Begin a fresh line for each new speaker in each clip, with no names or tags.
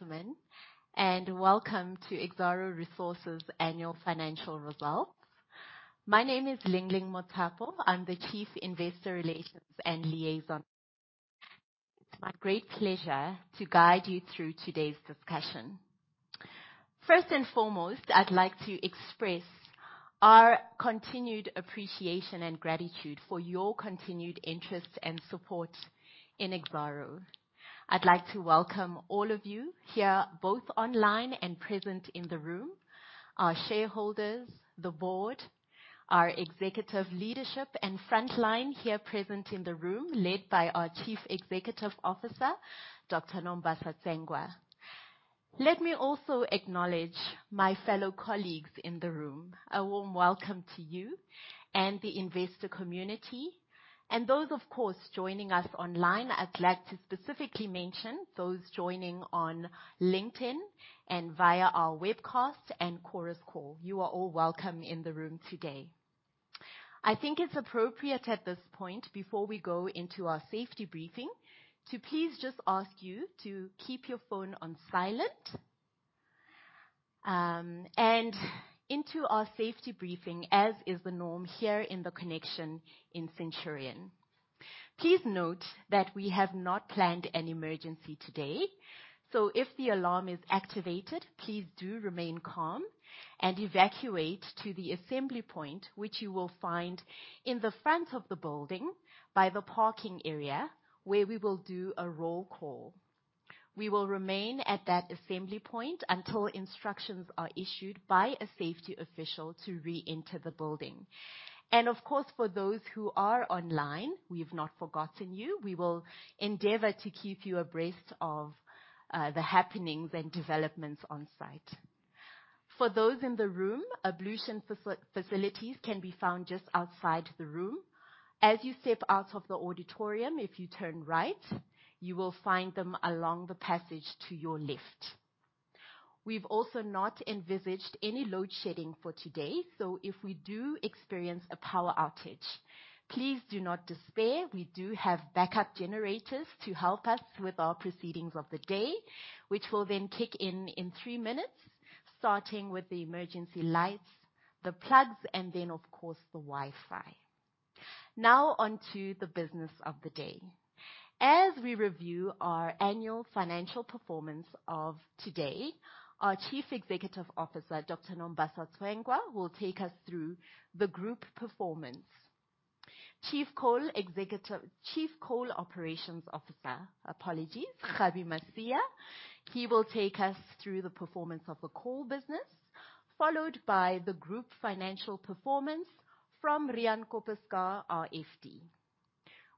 Gentlemen, and welcome to Exxaro Resources Annual Financial Results. My name is Ling-Ling Mothapo. I'm the Chief Investor Relations and Liaison. It's my great pleasure to guide you through today's discussion. First and foremost, I'd like to express our continued appreciation and gratitude for your continued interest and support in Exxaro. I'd like to welcome all of you here, both online and present in the room: our shareholders, the board, our executive leadership, and frontline here present in the room led by our Chief Executive Officer, Dr. Nombasa Tsengwa. Let me also acknowledge my fellow colleagues in the room. A warm welcome to you and the investor community, and those, of course, joining us online. I'd like to specifically mention those joining on LinkedIn and via our webcast and Chorus Call. You are all welcome in the room today. I think it's appropriate at this point, before we go into our safety briefing, to please just ask you to keep your phone on silent and into our safety briefing, as is the norm here in The ConneXXion in Centurion. Please note that we have not planned an emergency today, so if the alarm is activated, please do remain calm and evacuate to the assembly point, which you will find in the front of the building by the parking area where we will do a roll call. We will remain at that assembly point until instructions are issued by a safety official to re-enter the building. Of course, for those who are online, we've not forgotten you. We will endeavor to keep you abreast of the happenings and developments on site. For those in the room, ablution facilities can be found just outside the room. As you step out of the auditorium, if you turn right, you will find them along the passage to your left. We've also not envisaged any load shedding for today, so if we do experience a power outage, please do not despair. We do have backup generators to help us with our proceedings of the day, which will then kick in in three minutes, starting with the emergency lights, the plugs, and then, of course, the Wi-Fi. Now onto the business of the day. As we review our annual financial performance of today, our Chief Executive Officer, Dr. Nombasa Tsengwa, will take us through the group performance. Chief Coal Operations Officer, apologies, Kgabi Masia, he will take us through the performance of the coal business, followed by the group financial performance from Riaan Koppeschaar, RFD.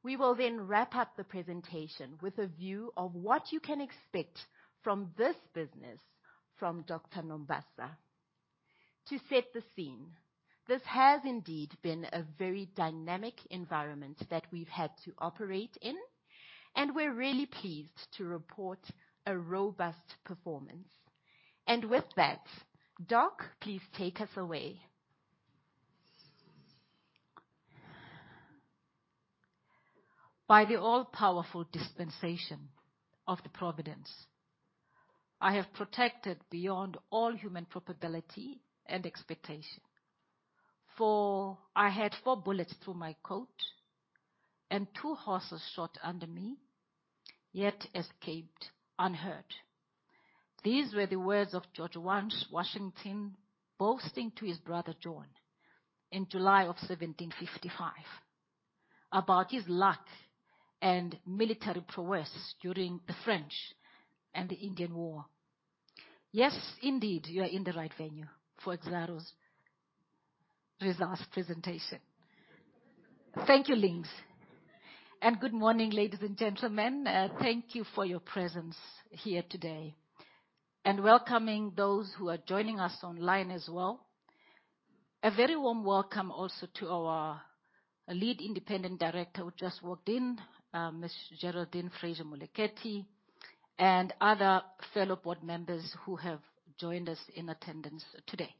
We will then wrap up the presentation with a view of what you can expect from this business from Dr. Nombasa. To set the scene, this has indeed been a very dynamic environment that we've had to operate in, and we're really pleased to report a robust performance. And with that, Doc, please take us away.
By the all-powerful dispensation of the providence, I have protected beyond all human probability and expectation. I had four bullets through my coat and two horses shot under me, yet escaped unhurt. These were the words of George Washington boasting to his brother John in July of 1755 about his luck and military prowess during the French and the Indian War. Yes, indeed, you are in the right venue for Exxaro's presentation. Thank you, Lings. And good morning, ladies and gentlemen. Thank you for your presence here today and welcoming those who are joining us online as well. A very warm welcome also to our Lead Independent Director who just walked in, Miss Geraldine Fraser-Moleketi, and other fellow board members who have joined us in attendance today.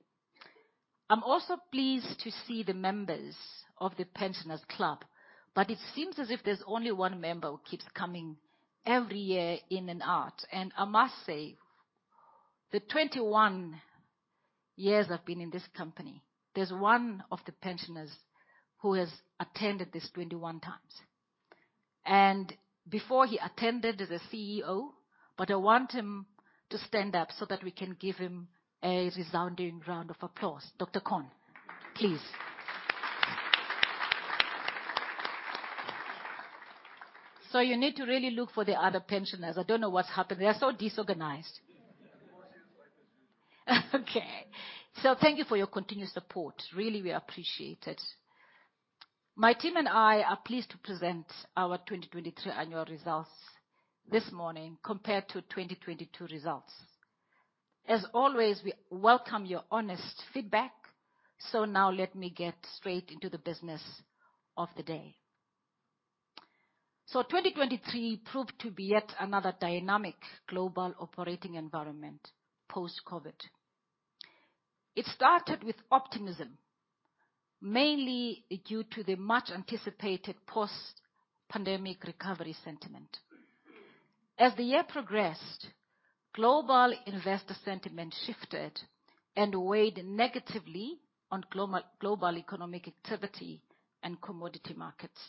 I'm also pleased to see the members of the pensioners' club, but it seems as if there's only one member who keeps coming every year in and out. And I must say, the 21 years I've been in this company, there's one of the pensioners who has attended this 21 times. And before he attended, there's a CEO, but I want him to stand up so that we can give him a resounding round of applause. Dr. Con, please. So you need to really look for the other pensioners. I don't know what's happening. They are so disorganized. The more chaos like this usually. Okay. Thank you for your continued support. Really, we appreciate it. My team and I are pleased to present our 2023 annual results this morning compared to 2022 results. As always, we welcome your honest feedback. Now let me get straight into the business of the day. 2023 proved to be yet another dynamic global operating environment post-COVID. It started with optimism, mainly due to the much-anticipated post-pandemic recovery sentiment. As the year progressed, global investor sentiment shifted and weighed negatively on global economic activity and commodity markets.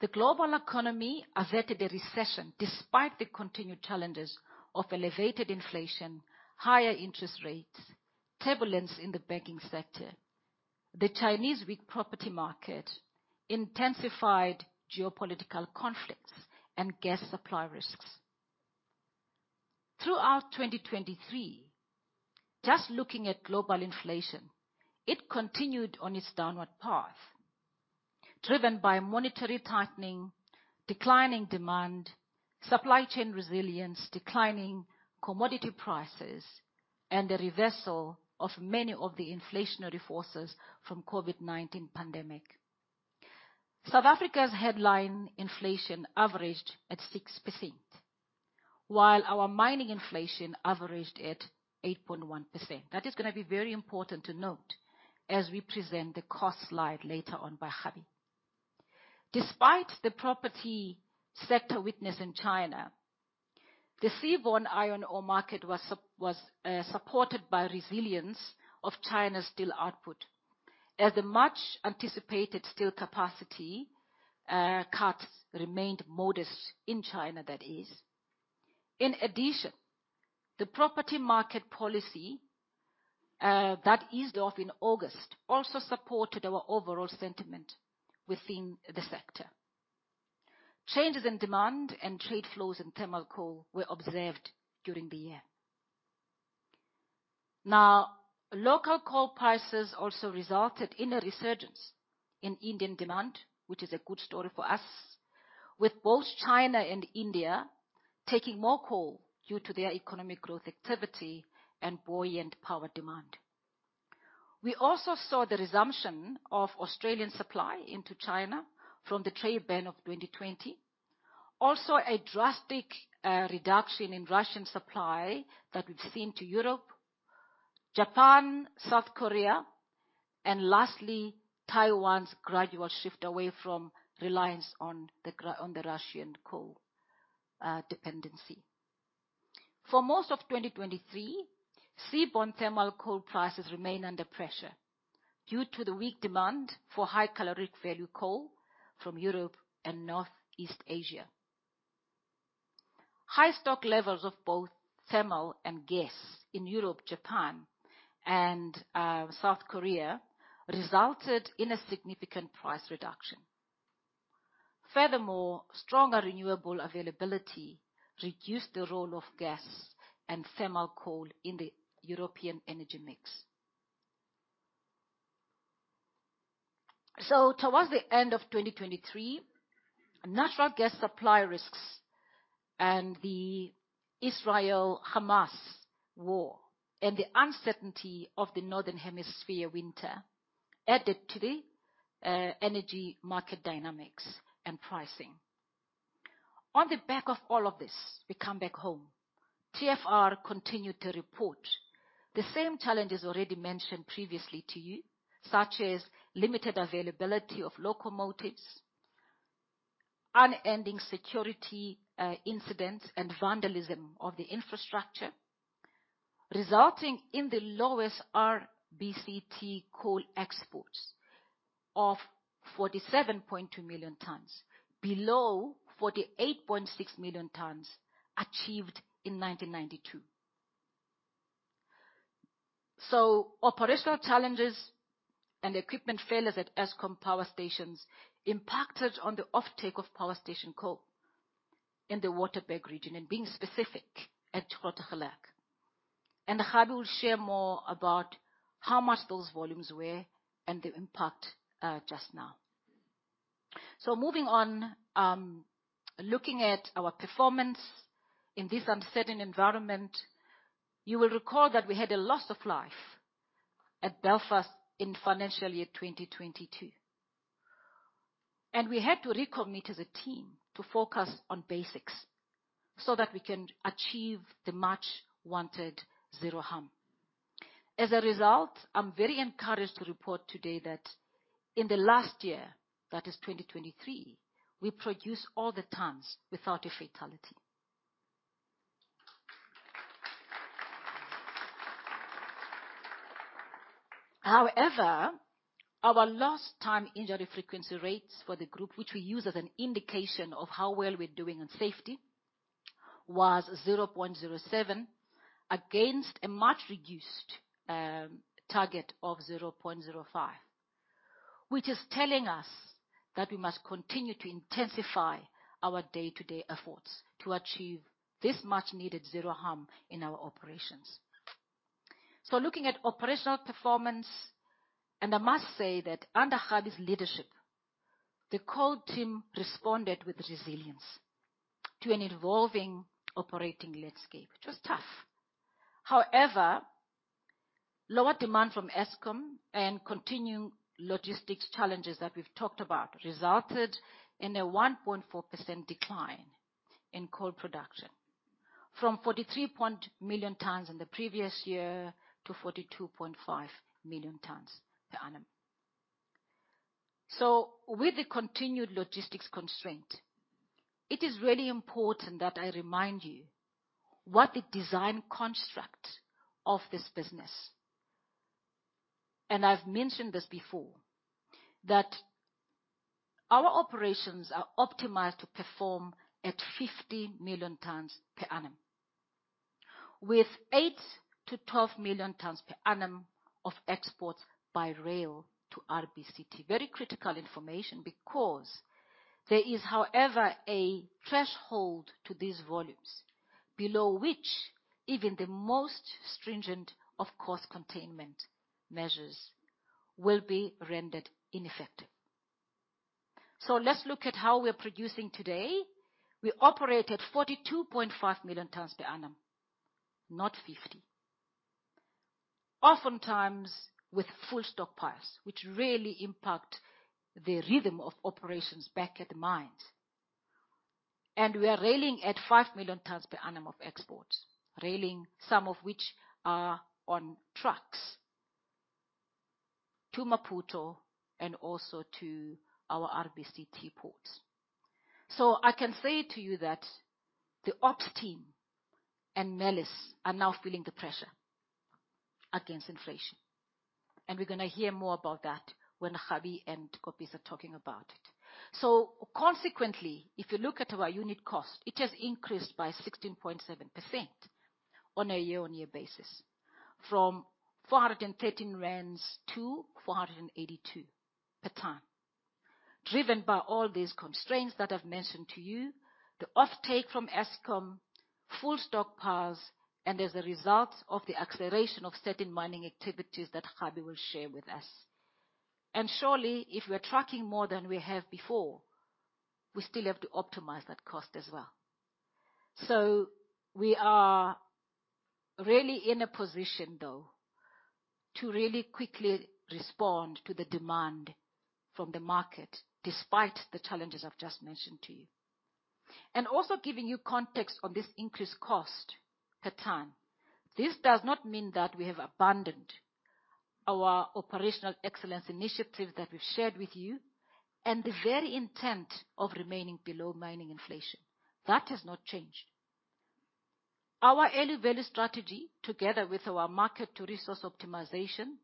The global economy averted a recession despite the continued challenges of elevated inflation, higher interest rates, turbulence in the banking sector, the Chinese weak property market, intensified geopolitical conflicts, and gas supply risks. Throughout 2023, just looking at global inflation, it continued on its downward path, driven by monetary tightening, declining demand, supply chain resilience, declining commodity prices, and the reversal of many of the inflationary forces from the COVID-19 pandemic. South Africa's headline inflation averaged at 6%, while our mining inflation averaged at 8.1%. That is going to be very important to note as we present the cost slide later on by Kgabi. Despite the property sector weakness in China, the seaborne iron ore market was supported by resilience of China's steel output, as the much-anticipated steel capacity cuts remained modest in China, that is. In addition, the property market policy that eased off in August also supported our overall sentiment within the sector. Changes in demand and trade flows in thermal coal were observed during the year. Now, local coal prices also resulted in a resurgence in Indian demand, which is a good story for us, with both China and India taking more coal due to their economic growth activity and buoyant power demand. We also saw the resumption of Australian supply into China from the trade ban of 2020, also a drastic reduction in Russian supply that we've seen to Europe, Japan, South Korea, and lastly, Taiwan's gradual shift away from reliance on the Russian coal dependency. For most of 2023, seaborne thermal coal prices remained under pressure due to the weak demand for high-calorific value coal from Europe and Northeast Asia. High stock levels of both thermal and gas in Europe, Japan, and South Korea resulted in a significant price reduction. Furthermore, stronger renewable availability reduced the role of gas and thermal coal in the European energy mix. So towards the end of 2023, natural gas supply risks and the Israel-Hamas war and the uncertainty of the Northern Hemisphere winter added to the energy market dynamics and pricing. On the back of all of this, we come back home. TFR continued to report the same challenges already mentioned previously to you, such as limited availability of locomotives, unending security incidents, and vandalism of the infrastructure, resulting in the lowest RBCT coal exports of 47.2 million tons, below 48.6 million tons achieved in 1992. So operational challenges and equipment failures at Eskom power stations impacted on the offtake of power station coal in the Waterberg region, and being specific at Grootegeluk. And Kgabi will share more about how much those volumes were and the impact just now. So moving on, looking at our performance in this uncertain environment, you will recall that we had a loss of life at Belfast in financial year 2022. And we had to reconnect as a team to focus on basics so that we can achieve the much-wanted zero harm. As a result, I'm very encouraged to report today that in the last year, that is 2023, we produced all the tons without a fatality. However, our Lost Time Injury Frequency Rate for the group, which we use as an indication of how well we're doing on safety, was 0.07 against a much-reduced target of 0.05, which is telling us that we must continue to intensify our day-to-day efforts to achieve this much-needed zero harm in our operations. So looking at operational performance, and I must say that under Kgabi's leadership, the coal team responded with resilience to an evolving operating landscape, which was tough. However, lower demand from Eskom and continuing logistics challenges that we've talked about resulted in a 1.4% decline in coal production from 43.0 million tons in the previous year to 42.5 million tons per annum. So with the continued logistics constraint, it is really important that I remind you what the design construct of this business is. And I've mentioned this before, that our operations are optimized to perform at 50 million tons per annum, with 8-12 million tons per annum of exports by rail to RBCT. Very critical information because there is, however, a threshold to these volumes below which even the most stringent of cost containment measures will be rendered ineffective. Let's look at how we are producing today. We operate at 42.5 million tons per annum, not 50, oftentimes with full stockpiles, which really impact the rhythm of operations back at the mines. We are railing at 5 million tons per annum of exports, railing some of which are on trucks to Maputo and also to our RBCT ports. I can say to you that the ops team and Mellis are now feeling the pressure against inflation. We're going to hear more about that when Kgabi and Koppes are talking about it. So consequently, if you look at our unit cost, it has increased by 16.7% on a year-on-year basis from 413 rand to 482 per ton, driven by all these constraints that I've mentioned to you, the offtake from Eskom, full stockpiles, and as a result of the acceleration of certain mining activities that Kgabi will share with us. And surely, if we are tracking more than we have before, we still have to optimize that cost as well. So we are really in a position, though, to really quickly respond to the demand from the market despite the challenges I've just mentioned to you. And also giving you context on this increased cost per ton, this does not mean that we have abandoned our operational excellence initiative that we've shared with you and the very intent of remaining below mining inflation. That has not changed. Our early value strategy, together with our market-to-resource optimization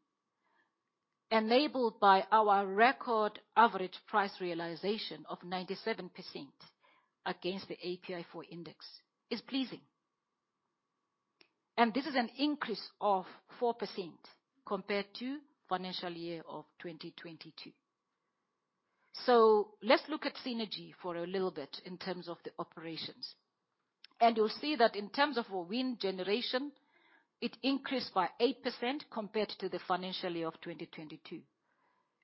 enabled by our record average price realization of 97% against the API4 Index, is pleasing. This is an increase of 4% compared to financial year of 2022. Let's look at synergy for a little bit in terms of the operations. You'll see that in terms of wind generation, it increased by 8% compared to the financial year of 2022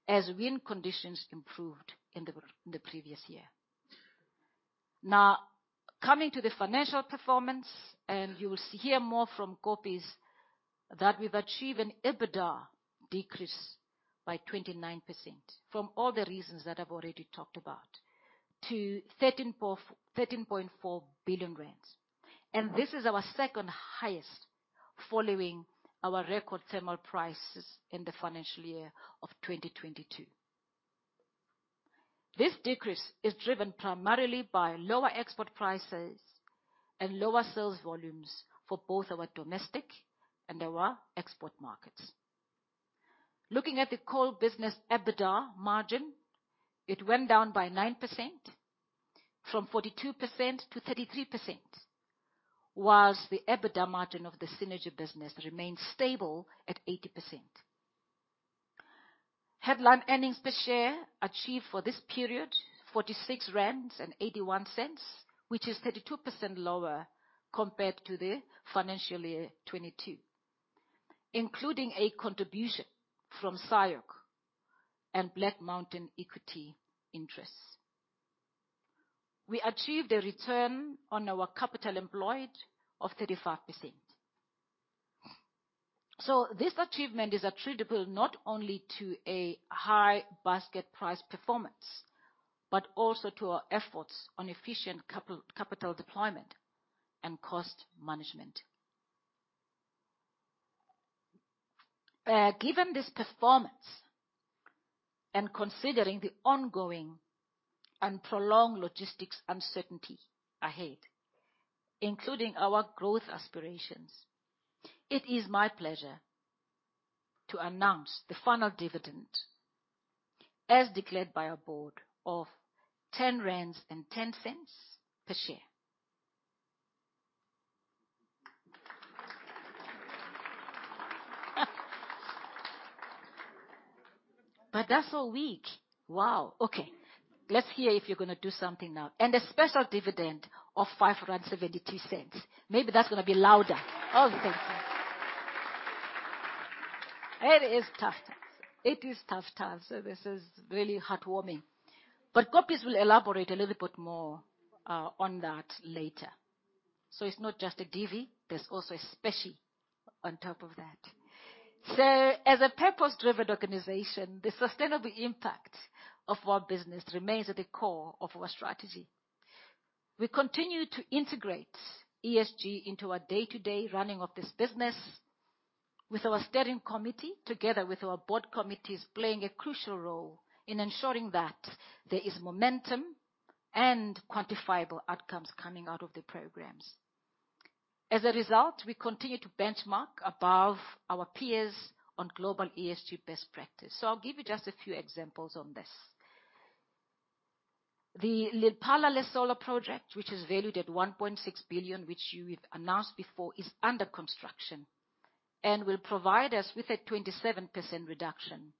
as wind conditions improved in the previous year. Now, coming to the financial performance, and you will hear more from Kgabi, that we've achieved an EBITDA decrease by 29% from all the reasons that I've already talked about to 13.4 billion rand. This is our second highest following our record thermal prices in the financial year of 2022. This decrease is driven primarily by lower export prices and lower sales volumes for both our domestic and our export markets. Looking at the coal business EBITDA margin, it went down by 9% from 42% to 33%, while the EBITDA margin of the synergy business remained stable at 80%. Headline earnings per share achieved for this period 46.81 rand, which is 32% lower compared to the financial year 2022, including a contribution from SAIOC and Black Mountain Equity Interest. We achieved a return on our capital employed of 35%. This achievement is attributable not only to a high basket price performance but also to our efforts on efficient capital deployment and cost management. Given this performance and considering the ongoing and prolonged logistics uncertainty ahead, including our growth aspirations, it is my pleasure to announce the final dividend as declared by our board of 10.10 rand per share. But that's all week. Wow. Okay. Let's hear if you're going to do something now. And a special dividend of 5.72. Maybe that's going to be louder. Oh, thank you. It is tough times. It is tough times. So this is really heartwarming. But Kgabi will elaborate a little bit more on that later. So it's not just a divi. There's also a special on top of that. So as a purpose-driven organization, the sustainable impact of our business remains at the core of our strategy. We continue to integrate ESG into our day-to-day running of this business with our steering committee together with our board committees playing a crucial role in ensuring that there is momentum and quantifiable outcomes coming out of the programs. As a result, we continue to benchmark above our peers on global ESG best practice. So I'll give you just a few examples on this. The Lephalale Solar Project, which is valued at 1.6 billion, which you've announced before, is under construction and will provide us with a 27% reduction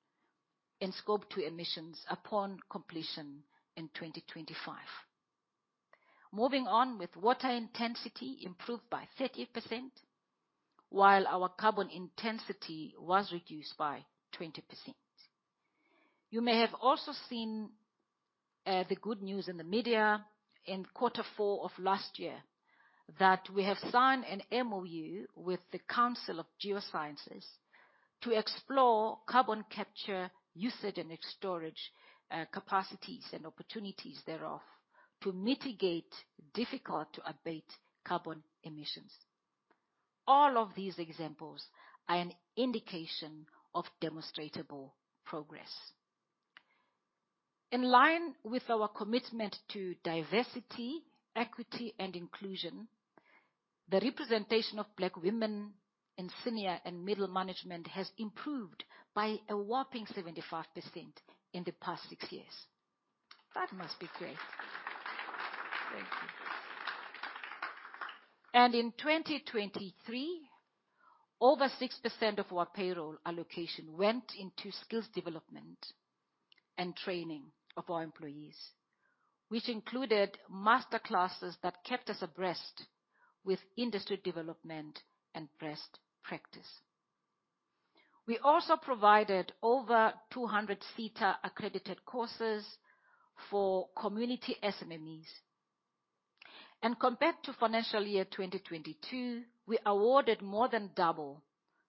in Scope 2 emissions upon completion in 2025. Moving on with water intensity improved by 30% while our carbon intensity was reduced by 20%. You may have also seen the good news in the media in quarter four of last year that we have signed an MOU with the Council for Geoscience to explore carbon capture, usage, and storage capacities and opportunities thereof to mitigate difficult-to-abate carbon emissions. All of these examples are an indication of demonstrable progress. In line with our commitment to diversity, equity, and inclusion, the representation of Black women in senior and middle management has improved by a whopping 75% in the past six years. That must be great. Thank you. In 2023, over 6% of our payroll allocation went into skills development and training of our employees, which included masterclasses that kept us abreast with industry development and best practice. We also provided over 200 CETA-accredited courses for community SMMEs. Compared to financial year 2022, we awarded more than double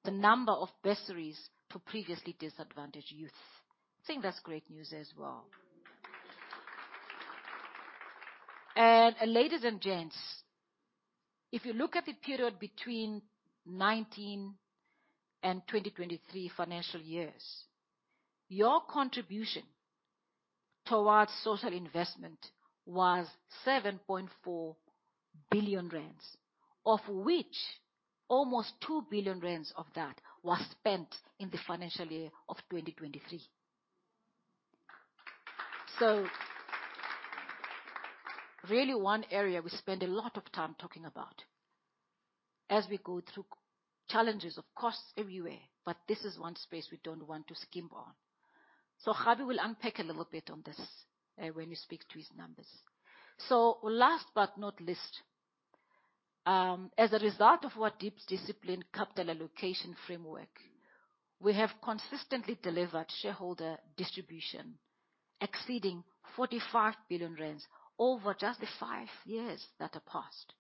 the number of bursaries to previously disadvantaged youth. I think that's great news as well. Ladies and gents, if you look at the period between 2019 and 2023 financial years, your contribution towards social investment was 7.4 billion rand, of which almost 2 billion rand of that were spent in the financial year of 2023. Really one area we spend a lot of time talking about as we go through challenges of costs everywhere, but this is one space we don't want to skimp on. Kgabi will unpack a little bit on this when he speaks to his numbers. So last but not least, as a result of our deep discipline capital allocation framework, we have consistently delivered shareholder distribution exceeding 45 billion rand over just the five years that are past,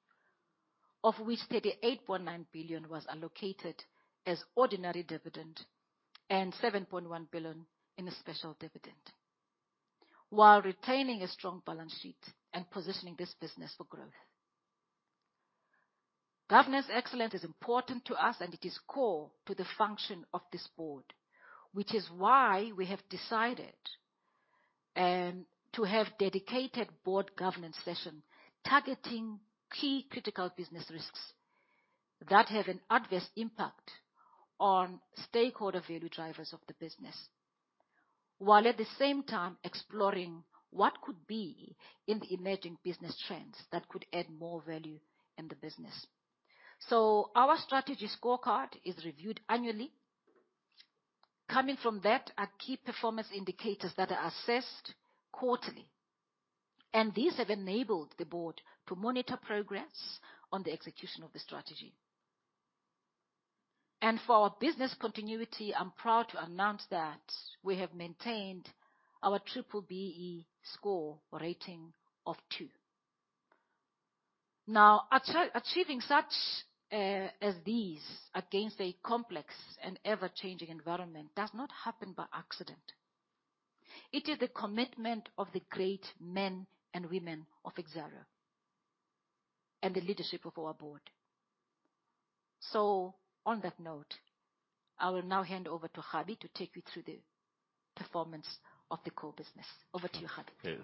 of which 38.9 billion was allocated as ordinary dividend and 7.1 billion in a special dividend while retaining a strong balance sheet and positioning this business for growth. Governance excellence is important to us, and it is core to the function of this board, which is why we have decided to have dedicated board governance sessions targeting key critical business risks that have an adverse impact on stakeholder value drivers of the business while at the same time exploring what could be in the emerging business trends that could add more value in the business. So our strategy scorecard is reviewed annually. Coming from that are key performance indicators that are assessed quarterly. These have enabled the board to monitor progress on the execution of the strategy. For our business continuity, I'm proud to announce that we have maintained our B-BBEE score rating of 2. Now, achieving such as these against a complex and ever-changing environment does not happen by accident. It is the commitment of the great men and women of Exxaro and the leadership of our board. On that note, I will now hand over to Kgabi to take you through the performance of the core business. Over to you, Kgabi.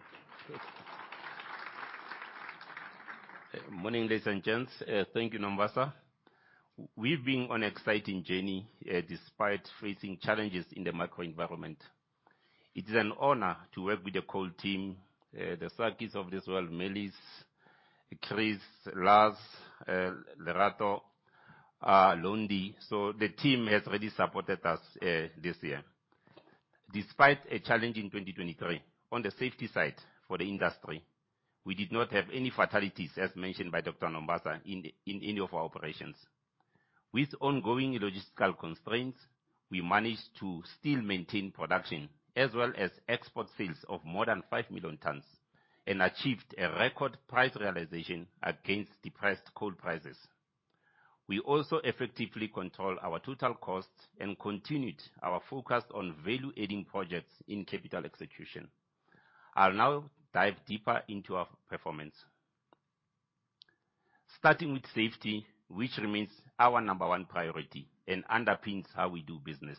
Morning, ladies and gents. Thank you, Nombasa. We've been on an exciting journey despite facing challenges in the macro environment. It is an honor to work with the core team, the C-suite of this world, Mellis, Chris, Lars, Lerato, Lundi. So the team has really supported us this year. Despite a challenge in 2023, on the safety side for the industry, we did not have any fatalities, as mentioned by Dr. Nombasa, in any of our operations. With ongoing logistical constraints, we managed to still maintain production as well as export sales of more than 5 million tons and achieved a record price realization against depressed coal prices. We also effectively controlled our total costs and continued our focus on value-adding projects in capital execution. I'll now dive deeper into our performance, starting with safety, which remains our number one priority and underpins how we do business.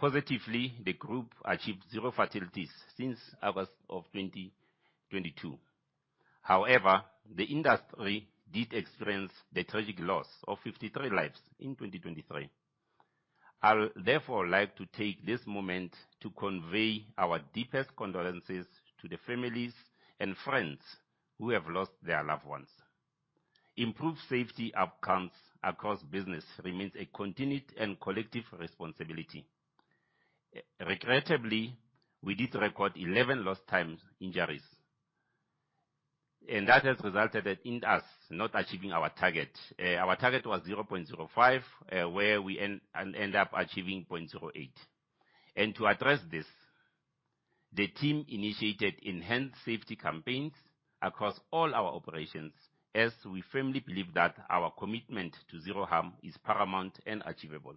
Positively, the group achieved zero fatalities since August of 2022. However, the industry did experience the tragic loss of 53 lives in 2023. I'll therefore like to take this moment to convey our deepest condolences to the families and friends who have lost their loved ones. Improved safety outcomes across business remains a continued and collective responsibility. Regrettably, we did record 11 lost time injuries, and that has resulted in us not achieving our target. Our target was 0.05, where we end up achieving 0.08. To address this, the team initiated enhanced safety campaigns across all our operations as we firmly believe that our commitment to zero harm is paramount and achievable.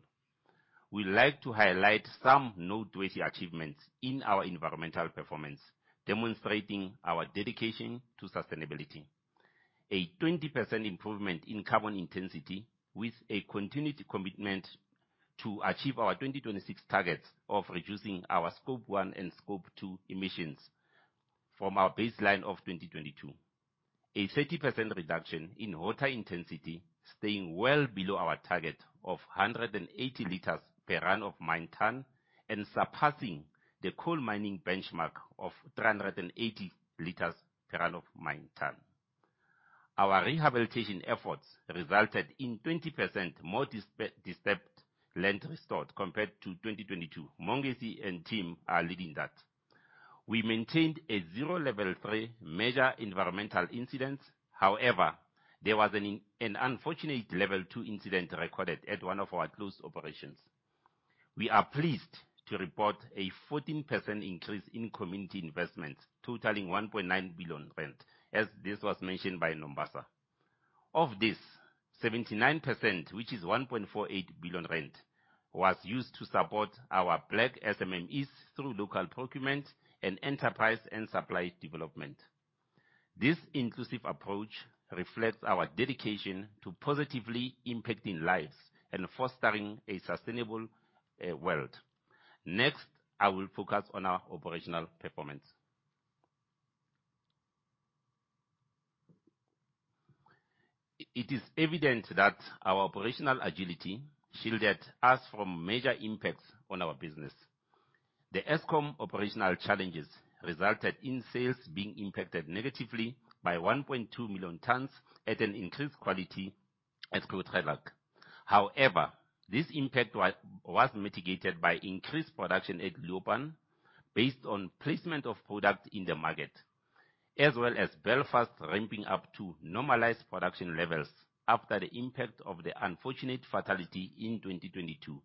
We'd like to highlight some noteworthy achievements in our environmental performance demonstrating our dedication to sustainability. A 20% improvement in carbon intensity with a continued commitment to achieve our 2026 targets of reducing our Scope 1 and Scope 2 emissions from our baseline of 2022. A 30% reduction in water intensity, staying well below our target of 180 liters per Run of Mine ton and surpassing the coal mining benchmark of 380 liters per Run of Mine ton. Our rehabilitation efforts resulted in 20% more disturbed land restored compared to 2022. Mongezi and team are leading that. We maintained a zero Level 3 major environmental incident. However, there was an unfortunate Level 2 incident recorded at one of our closed operations. We are pleased to report a 14% increase in community investments, totaling 1.9 billion rand, as this was mentioned by Nombasa. Of this, 79%, which is 1.48 billion rand, was used to support our Black SMMEs through local procurement and enterprise and supply development. This inclusive approach reflects our dedication to positively impacting lives and fostering a sustainable world. Next, I will focus on our operational performance. It is evident that our operational agility shielded us from major impacts on our business. The Eskom operational challenges resulted in sales being impacted negatively by 1.2 million tons at an increased quality at Grootegeluk. However, this impact was mitigated by increased production at Leeuwpan based on placement of product in the market, as well as Belfast ramping up to normalized production levels after the impact of the unfortunate fatality in 2022,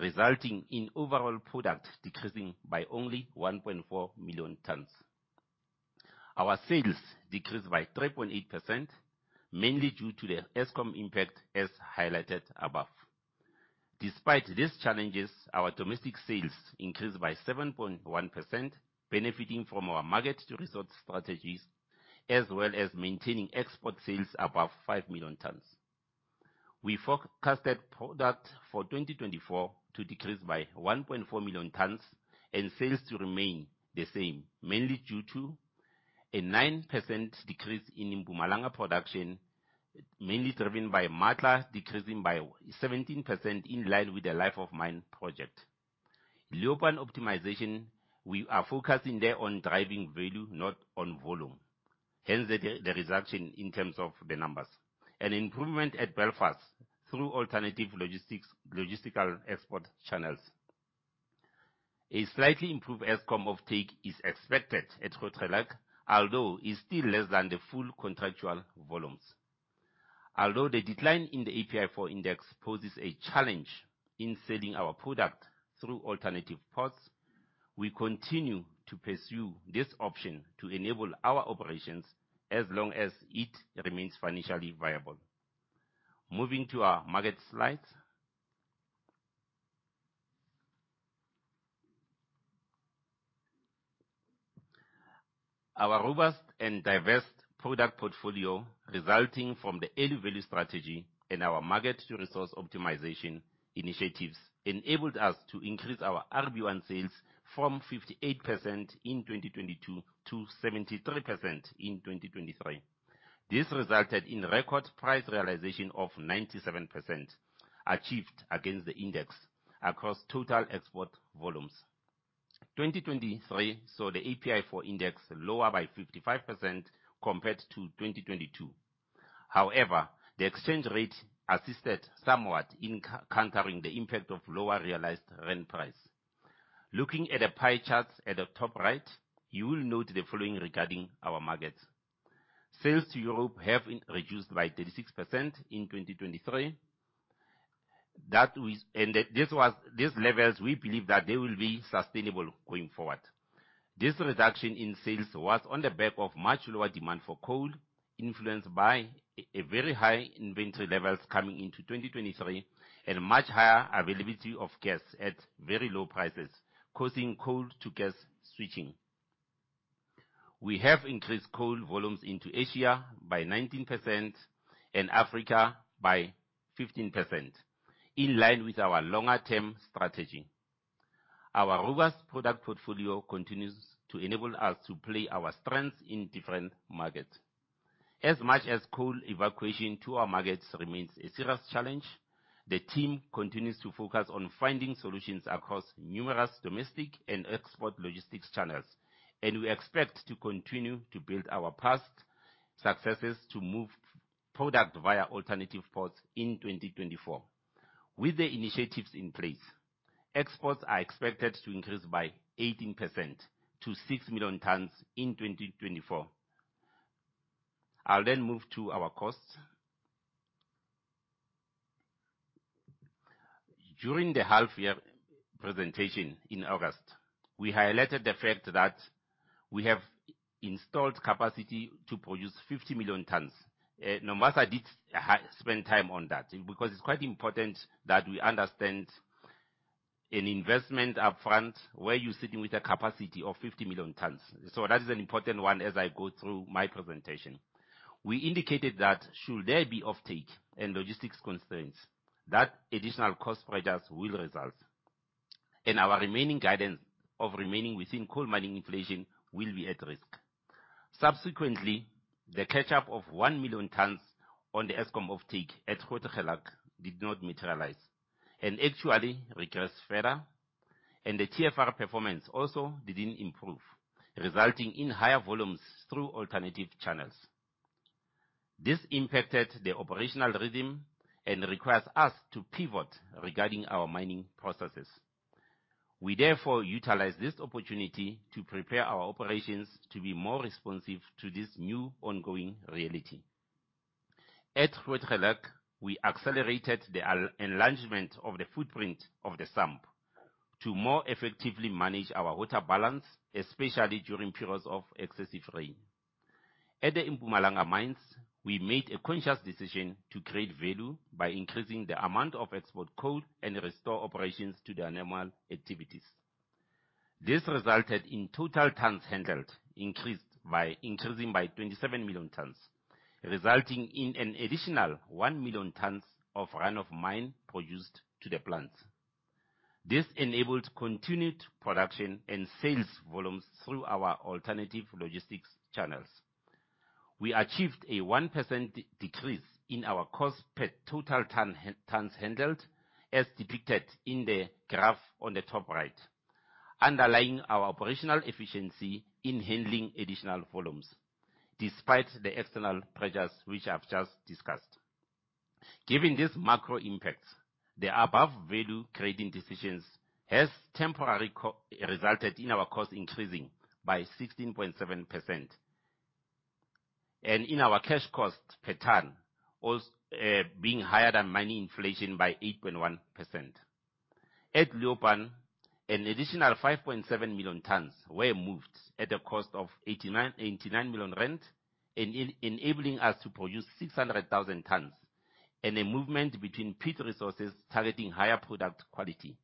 resulting in overall product decreasing by only 1.4 million tons. Our sales decreased by 3.8%, mainly due to the Eskom impact as highlighted above. Despite these challenges, our domestic sales increased by 7.1%, benefiting from our market-to-resort strategies as well as maintaining export sales above 5 million tons. We forecasted product for 2024 to decrease by 1.4 million tons and sales to remain the same, mainly due to a 9% decrease in Mpumalanga production, mainly driven by Matla decreasing by 17% in line with the life of mine project. Leeuwpan optimization, we are focusing there on driving value, not on volume. Hence, the reduction in terms of the numbers. An improvement at Belfast through alternative logistical export channels. A slightly improved Eskom offtake is expected at Grootegeluk, although it's still less than the full contractual volumes. Although the decline in the API4 Index poses a challenge in selling our product through alternative paths, we continue to pursue this option to enable our operations as long as it remains financially viable. Moving to our market slides. Our robust and diverse product portfolio, resulting from the early value strategy and our market-to-resource optimization initiatives, enabled us to increase our RB1 sales from 58% in 2022 to 73% in 2023. This resulted in record price realization of 97% achieved against the index across total export volumes. 2023 saw the API4 index lower by 55% compared to 2022. However, the exchange rate assisted somewhat in countering the impact of lower realized rent price. Looking at the pie charts at the top right, you will note the following regarding our markets. Sales to Europe have reduced by 36% in 2023. That was and this was these levels we believe that they will be sustainable going forward. This reduction in sales was on the back of much lower demand for coal, influenced by very high inventory levels coming into 2023 and much higher availability of gas at very low prices, causing coal-to-gas switching. We have increased coal volumes into Asia by 19% and Africa by 15%, in line with our longer-term strategy. Our robust product portfolio continues to enable us to play our strengths in different markets. As much as coal evacuation to our markets remains a serious challenge, the team continues to focus on finding solutions across numerous domestic and export logistics channels, and we expect to continue to build our past successes to move product via alternative paths in 2024. With the initiatives in place, exports are expected to increase by 18% to 6 million tons in 2024. I'll then move to our costs. During the half-year presentation in August, we highlighted the fact that we have installed capacity to produce 50 million tons. Nombasa did spend time on that because it's quite important that we understand an investment upfront where you're sitting with a capacity of 50 million tons. So that is an important one as I go through my presentation. We indicated that should there be offtake and logistics constraints, that additional cost pressures will result. Our remaining guidance of remaining within coal mining inflation will be at risk. Subsequently, the catch-up of 1 million tons on the Eskom offtake at Grootegeluk did not materialize and actually regressed further. The TFR performance also didn't improve, resulting in higher volumes through alternative channels. This impacted the operational rhythm and requires us to pivot regarding our mining processes. We therefore utilize this opportunity to prepare our operations to be more responsive to this new ongoing reality. At Grootegeluk, we accelerated the enlargement of the footprint of the SAMP to more effectively manage our water balance, especially during periods of excessive rain. At the Mpumalanga mines, we made a conscious decision to create value by increasing the amount of export coal and restore operations to the normal activities. This resulted in total tons handled increased by increasing by 27 million tons, resulting in an additional 1 million tons of run-of-mine produced to the plants. This enabled continued production and sales volumes through our alternative logistics channels. We achieved a 1% decrease in our cost per total tons handled, as depicted in the graph on the top right, underlying our operational efficiency in handling additional volumes despite the external pressures which I've just discussed. Given these macro impacts, the above value creating decisions has temporarily resulted in our cost increasing by 16.7%. In our cash cost pattern, also being higher than mining inflation by 8.1%. At Leeuwpan, an additional 5.7 million tons were moved at a cost of 89 million, enabling us to produce 600,000 tons, and a movement between peak resources targeting higher product quality.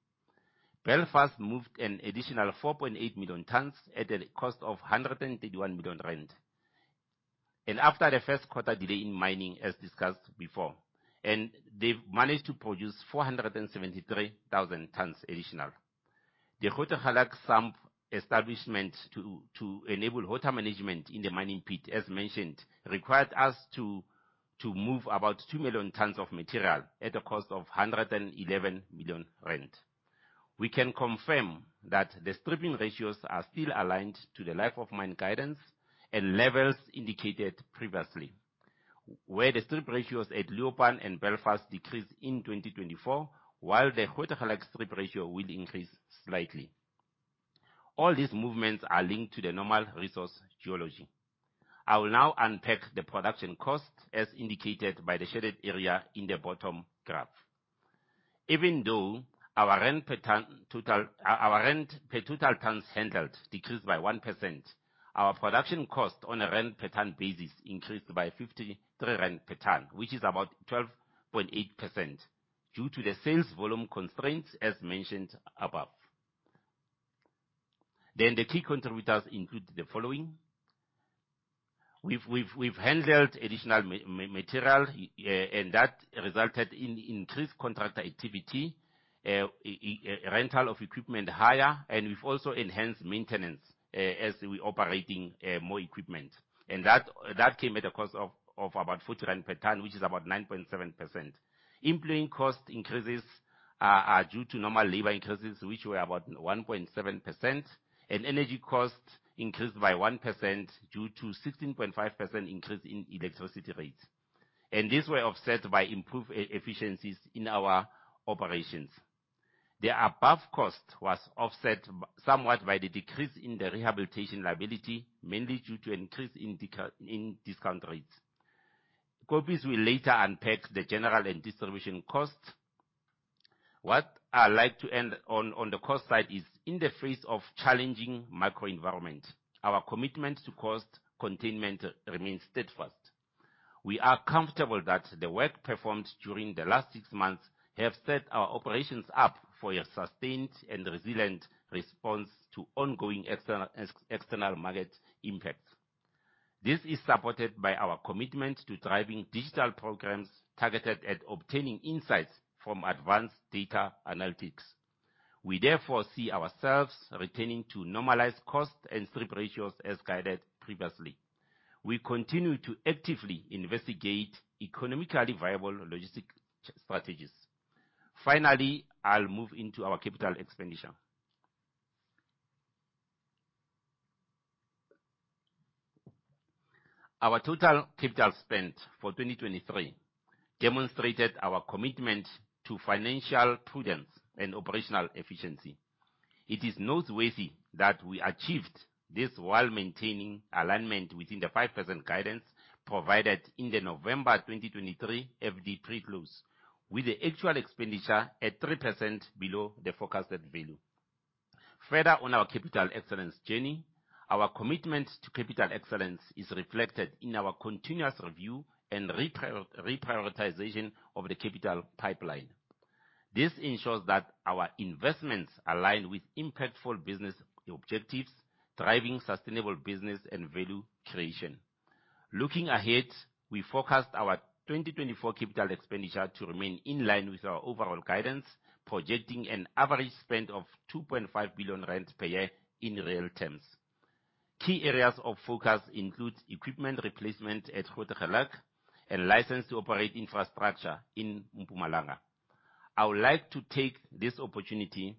Belfast moved an additional 4.8 million tons at a cost of 131 million rand. After the first quarter delay in mining, as discussed before, and they've managed to produce 473,000 tons additional. The Grootegeluk SAMP establishment to enable water management in the mining pit, as mentioned, required us to move about 2 million tons of material at a cost of 111 million rand. We can confirm that the stripping ratios are still aligned to the life of mine guidance and levels indicated previously, where the strip ratios at Leeuwpan and Belfast decreased in 2024, while the Grootegeluk strip ratio will increase slightly. All these movements are linked to the normal resource geology. I will now unpack the production cost as indicated by the shaded area in the bottom graph. Even though our Rand per total tons handled decreased by 1%, our production cost on a Rand per ton basis increased by 53 per ton, which is about 12.8% due to the sales volume constraints, as mentioned above. Then the key contributors include the following. We've handled additional material, and that resulted in increased contractor activity, rental of equipment higher, and we've also enhanced maintenance as we're operating more equipment. That came at a cost of about 40 rand per ton, which is about 9.7%. Employee cost increases are due to normal labor increases, which were about 1.7%, and energy cost increased by 1% due to a 16.5% increase in electricity rates. This was offset by improved efficiencies in our operations. The above cost was offset somewhat by the decrease in the rehabilitation liability, mainly due to an increase in discount rates. Riaan will later unpack the general and distribution costs. What I'd like to end on the cost side is, in the face of challenging macro environment, our commitment to cost containment remains steadfast. We are comfortable that the work performed during the last six months has set our operations up for a sustained and resilient response to ongoing external market impacts. This is supported by our commitment to driving digital programs targeted at obtaining insights from advanced data analytics. We therefore see ourselves returning to normalized cost and strip ratios as guided previously. We continue to actively investigate economically viable logistic strategies. Finally, I'll move into our capital expenditure. Our total capital spent for 2023 demonstrated our commitment to financial prudence and operational efficiency. It is noteworthy that we achieved this while maintaining alignment within the 5% guidance provided in the November 2023 FD pre-close, with the actual expenditure at 3% below the forecasted value. Further on our capital excellence journey, our commitment to capital excellence is reflected in our continuous review and reprioritization of the capital pipeline. This ensures that our investments align with impactful business objectives, driving sustainable business and value creation. Looking ahead, we focused our 2024 capital expenditure to remain in line with our overall guidance, projecting an average spend of 2.5 billion rand per year in real terms. Key areas of focus include equipment replacement at Grootegeluk and license to operate infrastructure in Mpumalanga. I would like to take this opportunity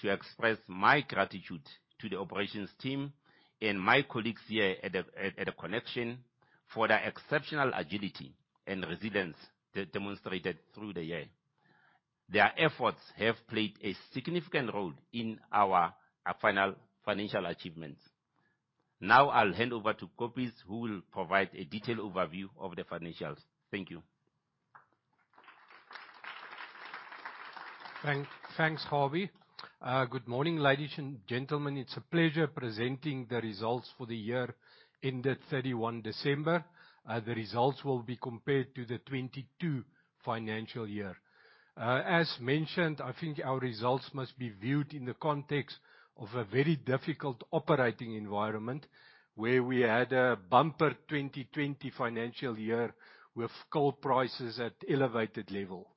to express my gratitude to the operations team and my colleagues here at The ConneXXion for the exceptional agility and resilience demonstrated through the year. Their efforts have played a significant role in our final financial achievements. Now, I'll hand over to Riaan, who will provide a detailed overview of the financials.
Thank you. Thanks. Thanks, Nombasa. Good morning, ladies and gentlemen. It's a pleasure presenting the results for the year ended 31 December. The results will be compared to the 2022 financial year. As mentioned, I think our results must be viewed in the context of a very difficult operating environment where we had a bumper 2020 financial year with coal prices at elevated level.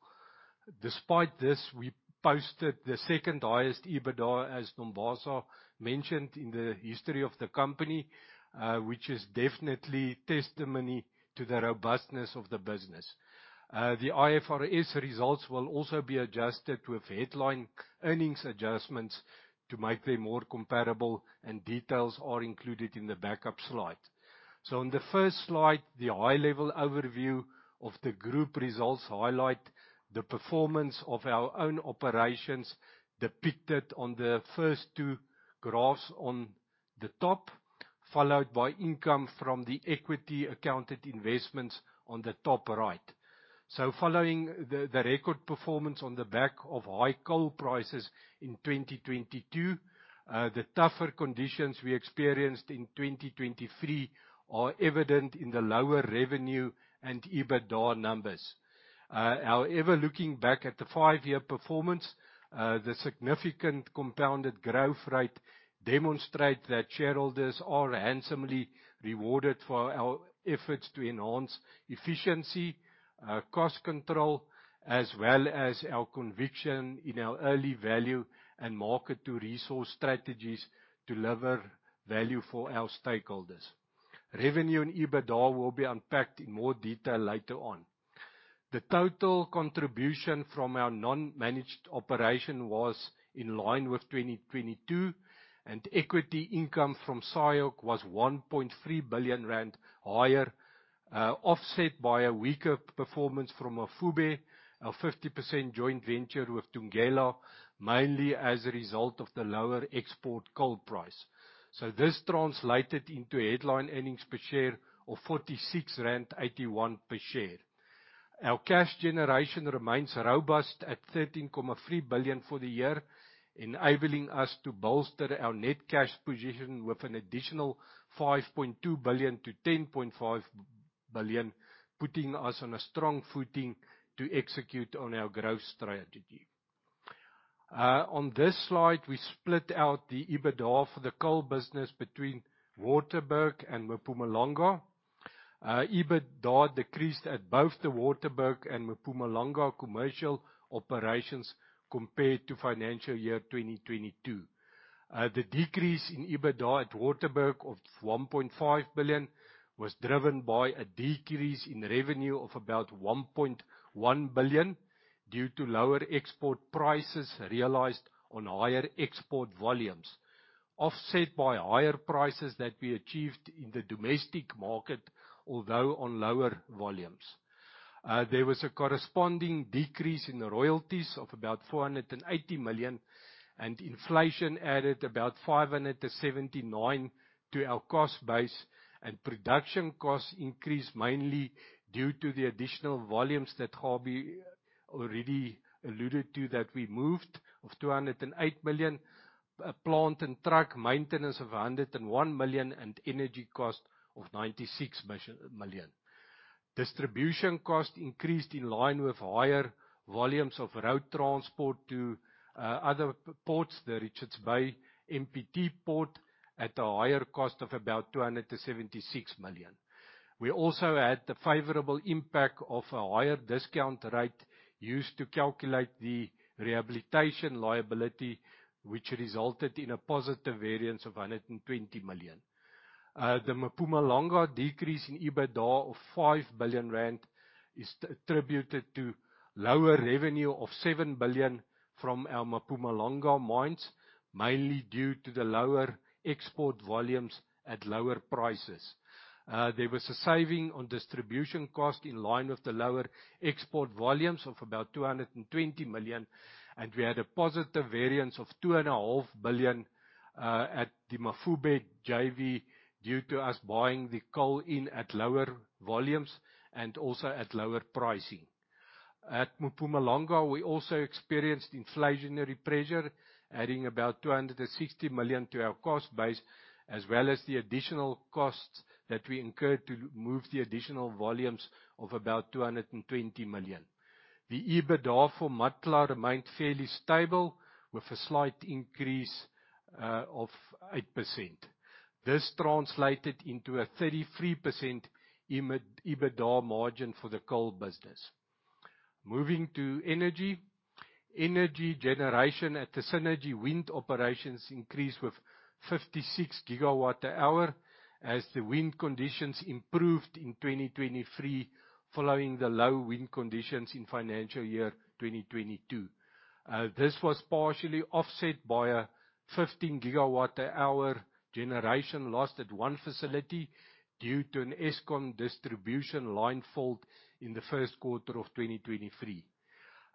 Despite this, we posted the second highest EBITDA, as Nombasa mentioned, in the history of the company, which is definitely testimony to the robustness of the business. The IFRS results will also be adjusted with headline earnings adjustments to make them more comparable, and details are included in the backup slide. So, on the first slide, the high-level overview of the group results highlights the performance of our own operations depicted on the first two graphs on the top, followed by income from the equity accounted investments on the top right. Following the record performance on the back of high coal prices in 2022, the tougher conditions we experienced in 2023 are evident in the lower revenue and EBITDA numbers. However, looking back at the five-year performance, the significant compounded growth rate demonstrates that shareholders are handsomely rewarded for our efforts to enhance efficiency, cost control, as well as our conviction in our early value and market-to-resource strategies to deliver value for our stakeholders. Revenue and EBITDA will be unpacked in more detail later on. The total contribution from our non-managed operation was in line with 2022, and equity income from SAIOC was 1.3 billion rand higher, offset by a weaker performance from Mafube, a 50% joint venture with Thungela, mainly as a result of the lower export coal price. This translated into headline earnings per share of 46.81 rand per share. Our cash generation remains robust at 13.3 billion for the year, enabling us to bolster our net cash position with an additional 5.2 billion-10.5 billion, putting us on a strong footing to execute on our growth strategy. On this slide, we split out the EBITDA for the coal business between Waterberg and Mpumalanga. EBITDA decreased at both the Waterberg and Mpumalanga commercial operations compared to financial year 2022. The decrease in EBITDA at Waterberg of 1.5 billion was driven by a decrease in revenue of about 1.1 billion due to lower export prices realized on higher export volumes, offset by higher prices that we achieved in the domestic market, although on lower volumes. There was a corresponding decrease in the royalties of about 480 million, and inflation added about 579 million to our cost base, and production costs increased mainly due to the additional volumes that Kgabi already alluded to that we moved of 208 million, plant and truck maintenance of 101 million, and energy cost of 96 million. Distribution costs increased in line with higher volumes of road transport to other ports, the Richards Bay MPT port, at a higher cost of about 276 million. We also had the favorable impact of a higher discount rate used to calculate the rehabilitation liability, which resulted in a positive variance of 120 million. The Mpumalanga decrease in EBITDA of 5 billion rand is attributed to lower revenue of 7 billion from our Mpumalanga mines, mainly due to the lower export volumes at lower prices. There was a saving on distribution cost in line with the lower export volumes of about 220 million, and we had a positive variance of 2.5 billion at the Mafube JV due to us buying the coal in at lower volumes and also at lower pricing. At Mpumalanga, we also experienced inflationary pressure, adding about 260 million to our cost base, as well as the additional costs that we incurred to move the additional volumes of about 220 million. The EBITDA for Matla remained fairly stable, with a slight increase of 8%. This translated into a 33% EBITDA margin for the coal business. Moving to energy, energy generation at the Cennergi wind operations increased with 56 GWh as the wind conditions improved in 2023 following the low wind conditions in financial year 2022. This was partially offset by a 15 GWh generation loss at one facility due to an Eskom distribution line fault in the first quarter of 2023.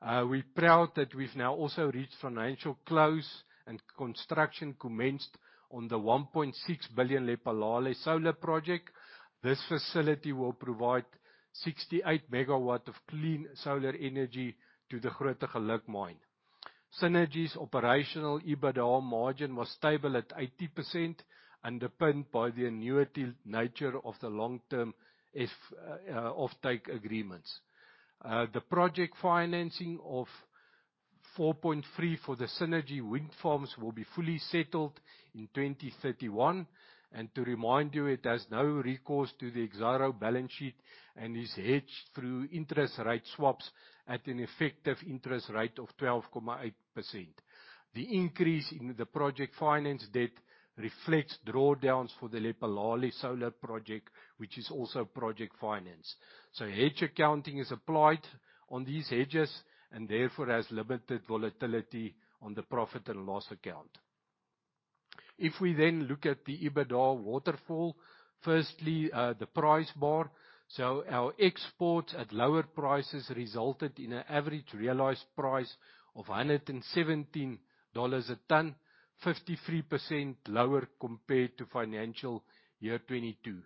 We're proud that we've now also reached financial close, and construction commenced on the 1.6 billion Lephalale Solar Project. This facility will provide 68 MW of clean solar energy to the Grootegeluk mine. Cennergi's operational EBITDA margin was stable at 80%, underpinned by the annuity nature of the long-term offtake agreements. The project financing of 4.3 billion for the Cennergi wind farms will be fully settled in 2031. And to remind you, it has no recourse to the Exxaro balance sheet, and is hedged through interest rate swaps at an effective interest rate of 12.8%. The increase in the project finance debt reflects drawdowns for the Lephalale Solar Project, which is also project finance. So, hedge accounting is applied on these hedges, and therefore has limited volatility on the profit and loss account. If we then look at the EBITDA waterfall, firstly, the price bar. So, our exports at lower prices resulted in an average realized price of $117 a ton, 53% lower compared to financial year 2022.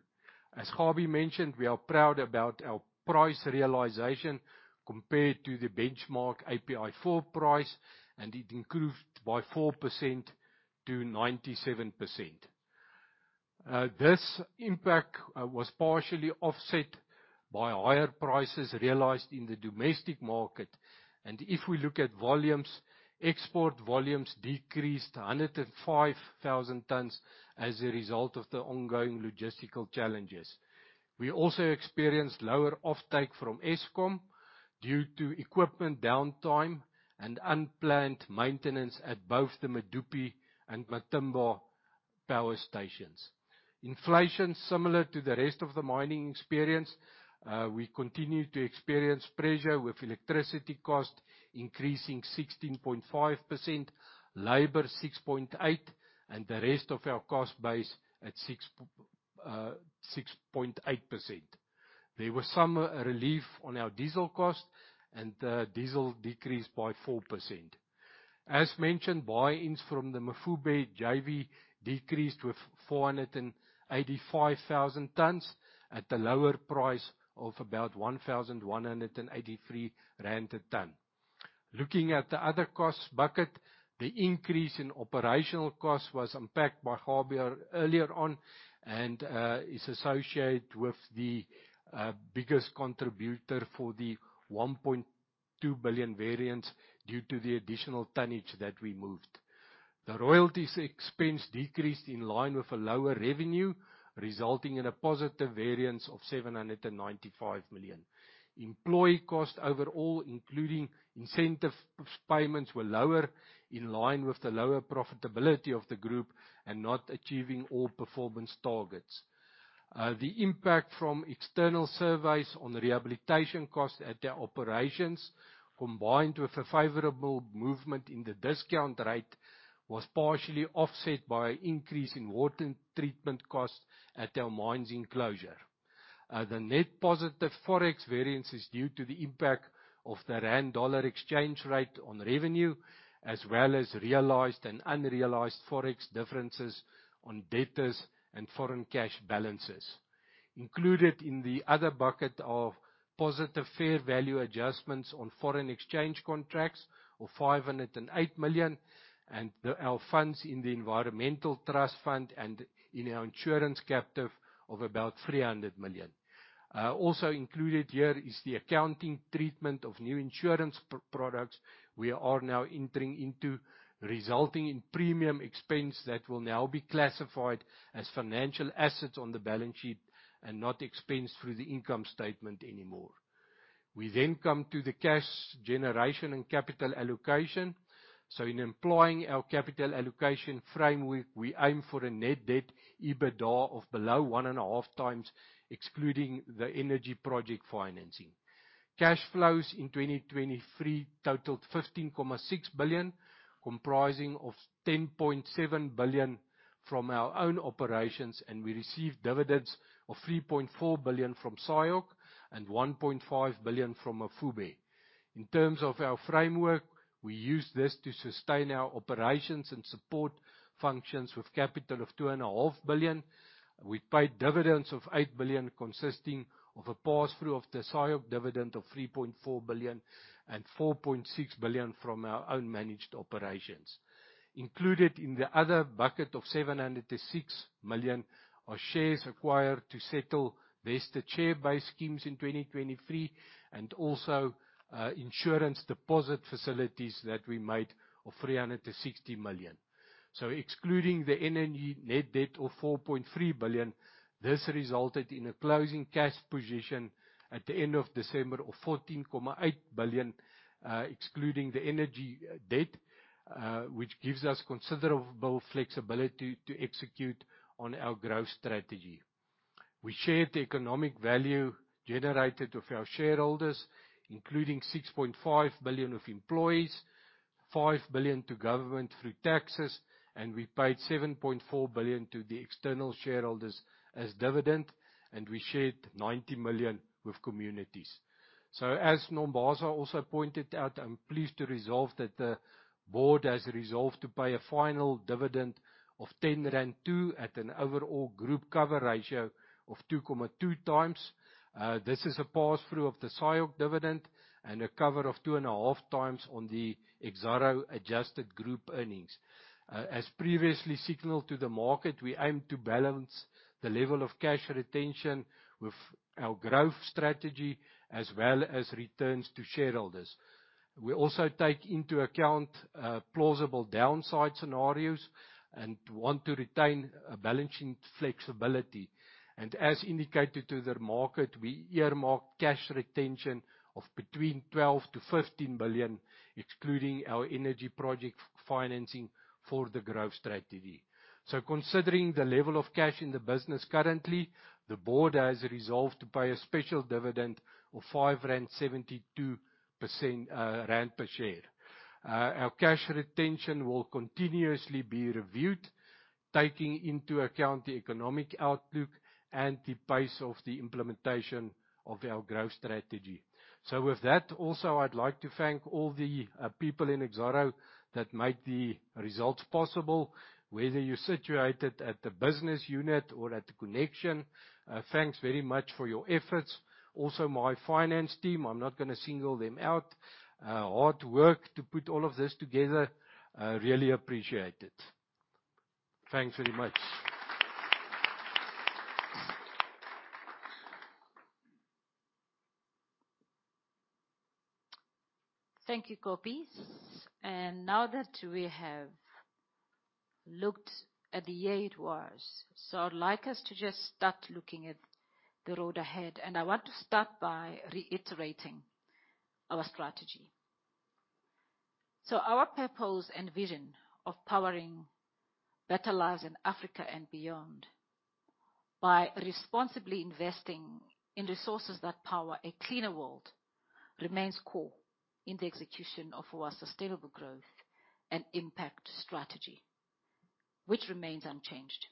As Hobby mentioned, we are proud about our price realization compared to the benchmark API4 price, and it improved by 4% to 97%. This impact was partially offset by higher prices realized in the domestic market. And if we look at volumes, export volumes decreased 105,000 tons as a result of the ongoing logistical challenges. We also experienced lower offtake from Eskom due to equipment downtime and unplanned maintenance at both the Medupi and Matimba power stations. Inflation, similar to the rest of the mining experience, we continue to experience pressure with electricity costs increasing 16.5%, labor 6.8%, and the rest of our cost base at 6.8%. There was some relief on our diesel cost, and the diesel decreased by 4%. As mentioned, buy-ins from the Mafube JV decreased with 485,000 tons at a lower price of about 1,183 rand/ton. Looking at the other cost bucket, the increase in operational costs was impacted by Hobby earlier on and is associated with the biggest contributor for the 1.2 billion variance due to the additional tonnage that we moved. The royalties expense decreased in line with a lower revenue, resulting in a positive variance of 795 million. Employee costs overall, including incentive payments, were lower in line with the lower profitability of the group and not achieving all performance targets. The impact from external surveys on rehabilitation costs at their operations, combined with a favorable movement in the discount rate, was partially offset by an increase in water treatment costs at their mines' enclosure. The net positive forex variance is due to the impact of the rand/dollar exchange rate on revenue, as well as realized and unrealized forex differences on debtors and foreign cash balances. Included in the other bucket are positive fair value adjustments on foreign exchange contracts of 508 million, and our funds in the Environmental Trust Fund and in our insurance captive of about 300 million. Also included here is the accounting treatment of new insurance products we are now entering into, resulting in premium expense that will now be classified as financial assets on the balance sheet and not expensed through the income statement anymore. We then come to the cash generation and capital allocation. So, in employing our capital allocation framework, we aim for a net debt EBITDA of below 1.5 times, excluding the energy project financing. Cash flows in 2023 totaled 15.6 billion, comprising of 10.7 billion from our own operations, and we received dividends of 3.4 billion from SAIOC and 1.5 billion from Mafube. In terms of our framework, we use this to sustain our operations and support functions with capital of 2.5 billion. We paid dividends of 8 billion, consisting of a pass-through of the SAIOC dividend of 3.4 billion and 4.6 billion from our own managed operations. Included in the other bucket of 706 million are shares acquired to settle vested share-based schemes in 2023 and also insurance deposit facilities that we made of 360 million. Excluding the energy net debt of 4.3 billion, this resulted in a closing cash position at the end of December of 14.8 billion, excluding the energy debt, which gives us considerable flexibility to execute on our growth strategy. We shared the economic value generated with our stakeholders, including 6.5 billion to employees, 5 billion to government through taxes, and we paid 7.4 billion to the external shareholders as dividend, and we shared 90 million with communities. As Nombasa also pointed out, I'm pleased that the board has resolved to pay a final dividend of 10.20 rand at an overall group cover ratio of 2.2 times. This is a pass-through of the SIOC dividend and a cover of two and a half times on the Exxaro adjusted group earnings. As previously signaled to the market, we aim to balance the level of cash retention with our growth strategy, as well as returns to shareholders. We also take into account plausible downside scenarios and want to retain balancing flexibility. As indicated to the market, we earmark cash retention of between 12 billion-15 billion, excluding our energy project financing for the growth strategy. Considering the level of cash in the business currently, the board has resolved to pay a special dividend of 5.72 rand per share. Our cash retention will continuously be reviewed, taking into account the economic outlook and the pace of the implementation of our growth strategy. With that, also, I'd like to thank all the people in Exxaro that made the results possible, whether you're situated at the business unit or at The ConneXXion. Thanks very much for your efforts. Also, my finance team, I'm not gonna single them out. Hard work to put all of this together. Really appreciate it. Thanks very much.
Thank you, Kobby. Now that we have looked at the year it was, so I'd like us to just start looking at the road ahead. I want to start by reiterating our strategy. So, our purpose and vision of powering better lives in Africa and beyond by responsibly investing in resources that power a cleaner world remains core in the execution of our sustainable growth and impact strategy, which remains unchanged.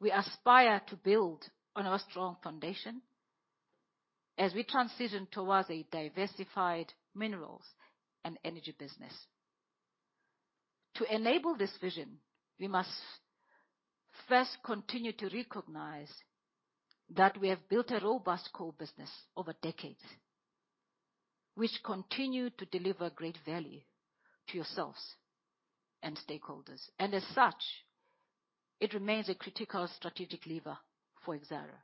We aspire to build on our strong foundation as we transition towards a diversified minerals and energy business. To enable this vision, we must first continue to recognize that we have built a robust core business over decades, which continue to deliver great value to yourselves and stakeholders. As such, it remains a critical strategic lever for Exxaro.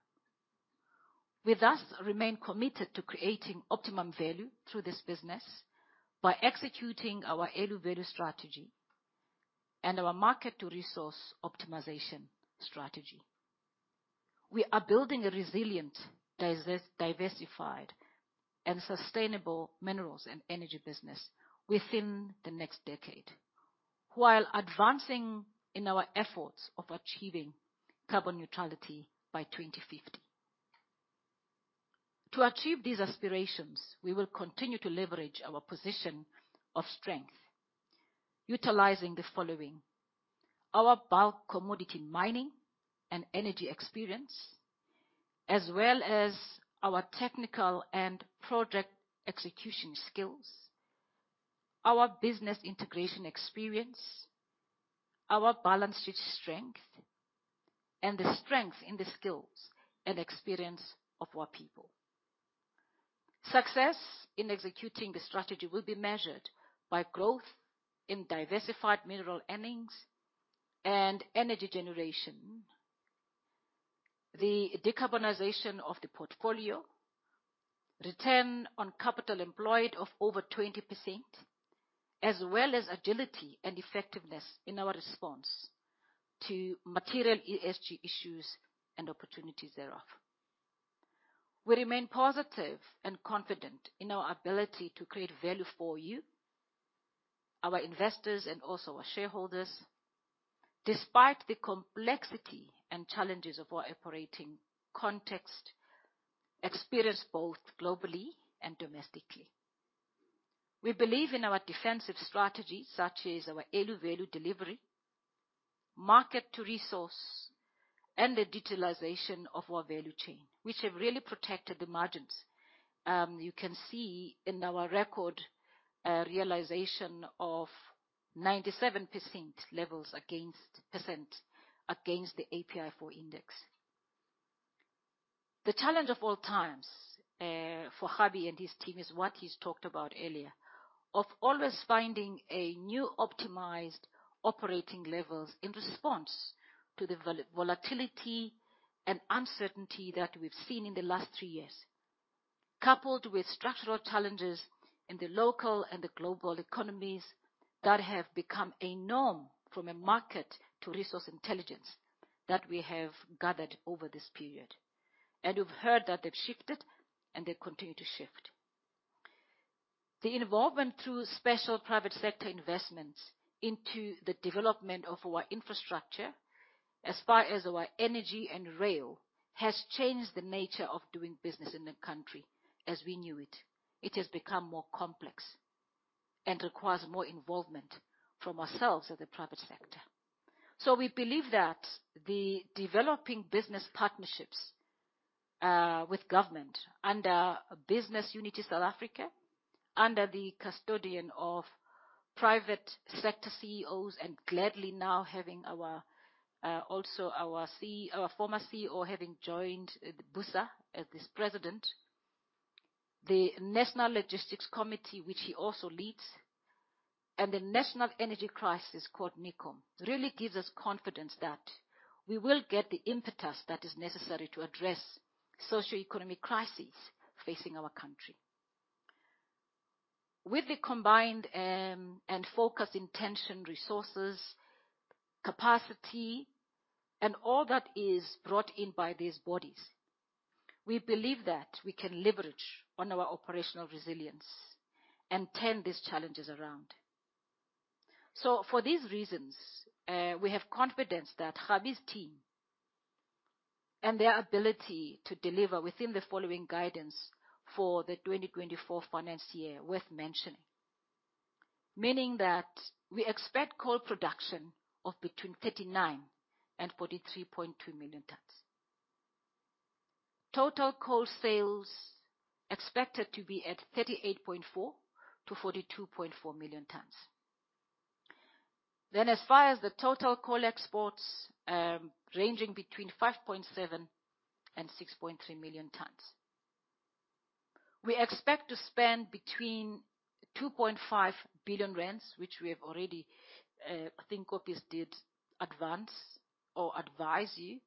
We thus remain committed to creating optimum value through this business by executing our ELU value strategy and our market-to-resource optimization strategy. We are building a resilient, diversified, and sustainable minerals and energy business within the next decade, while advancing in our efforts of achieving carbon neutrality by 2050. To achieve these aspirations, we will continue to leverage our position of strength, utilizing the following: our bulk commodity mining and energy experience, as well as our technical and project execution skills, our business integration experience, our balance sheet strength, and the strength in the skills and experience of our people. Success in executing the strategy will be measured by growth in diversified mineral earnings and energy generation, the decarbonization of the portfolio, Return on Capital Employed of over 20%, as well as agility and effectiveness in our response to material ESG issues and opportunities thereof. We remain positive and confident in our ability to create value for you, our investors, and also our shareholders, despite the complexity and challenges of our operating context experienced both globally and domestically. We believe in our defensive strategies, such as our ELU value delivery, market-to-resource, and the digitalization of our value chain, which have really protected the margins. You can see in our record realization of 97% levels against percent against the API4 index. The challenge of all times for Hobby and his team is what he's talked about earlier, of always finding new optimized operating levels in response to the volatility and uncertainty that we've seen in the last three years, coupled with structural challenges in the local and the global economies that have become a norm from a market-to-resource intelligence that we have gathered over this period. We've heard that they've shifted, and they continue to shift. The involvement through special private sector investments into the development of our infrastructure, as far as our energy and rail, has changed the nature of doing business in the country as we knew it. It has become more complex and requires more involvement from ourselves at the private sector. So, we believe that the developing business partnerships with government under Business Unity South Africa, under the custodian of private sector CEOs and gladly now having our also our CEO our former CEO having joined Busa as his president, the National Logistics Committee, which he also leads, and the National Energy Crisis Court, NECOM, really gives us confidence that we will get the impetus that is necessary to address socioeconomic crises facing our country. With the combined and focused intention, resources, capacity, and all that is brought in by these bodies, we believe that we can leverage on our operational resilience and turn these challenges around. So, for these reasons, we have confidence that Hobby's team and their ability to deliver within the following guidance for the 2024 financial year are worth mentioning, meaning that we expect coal production of between 39 and 43.2 million tons. Total coal sales are expected to be at 38.4-42.4 million tons. Then, as far as the total coal exports, ranging between 5.7-6.3 million tons. We expect to spend between 2.5 billion rand, which we have already, I think, Kobby did advance or advise you,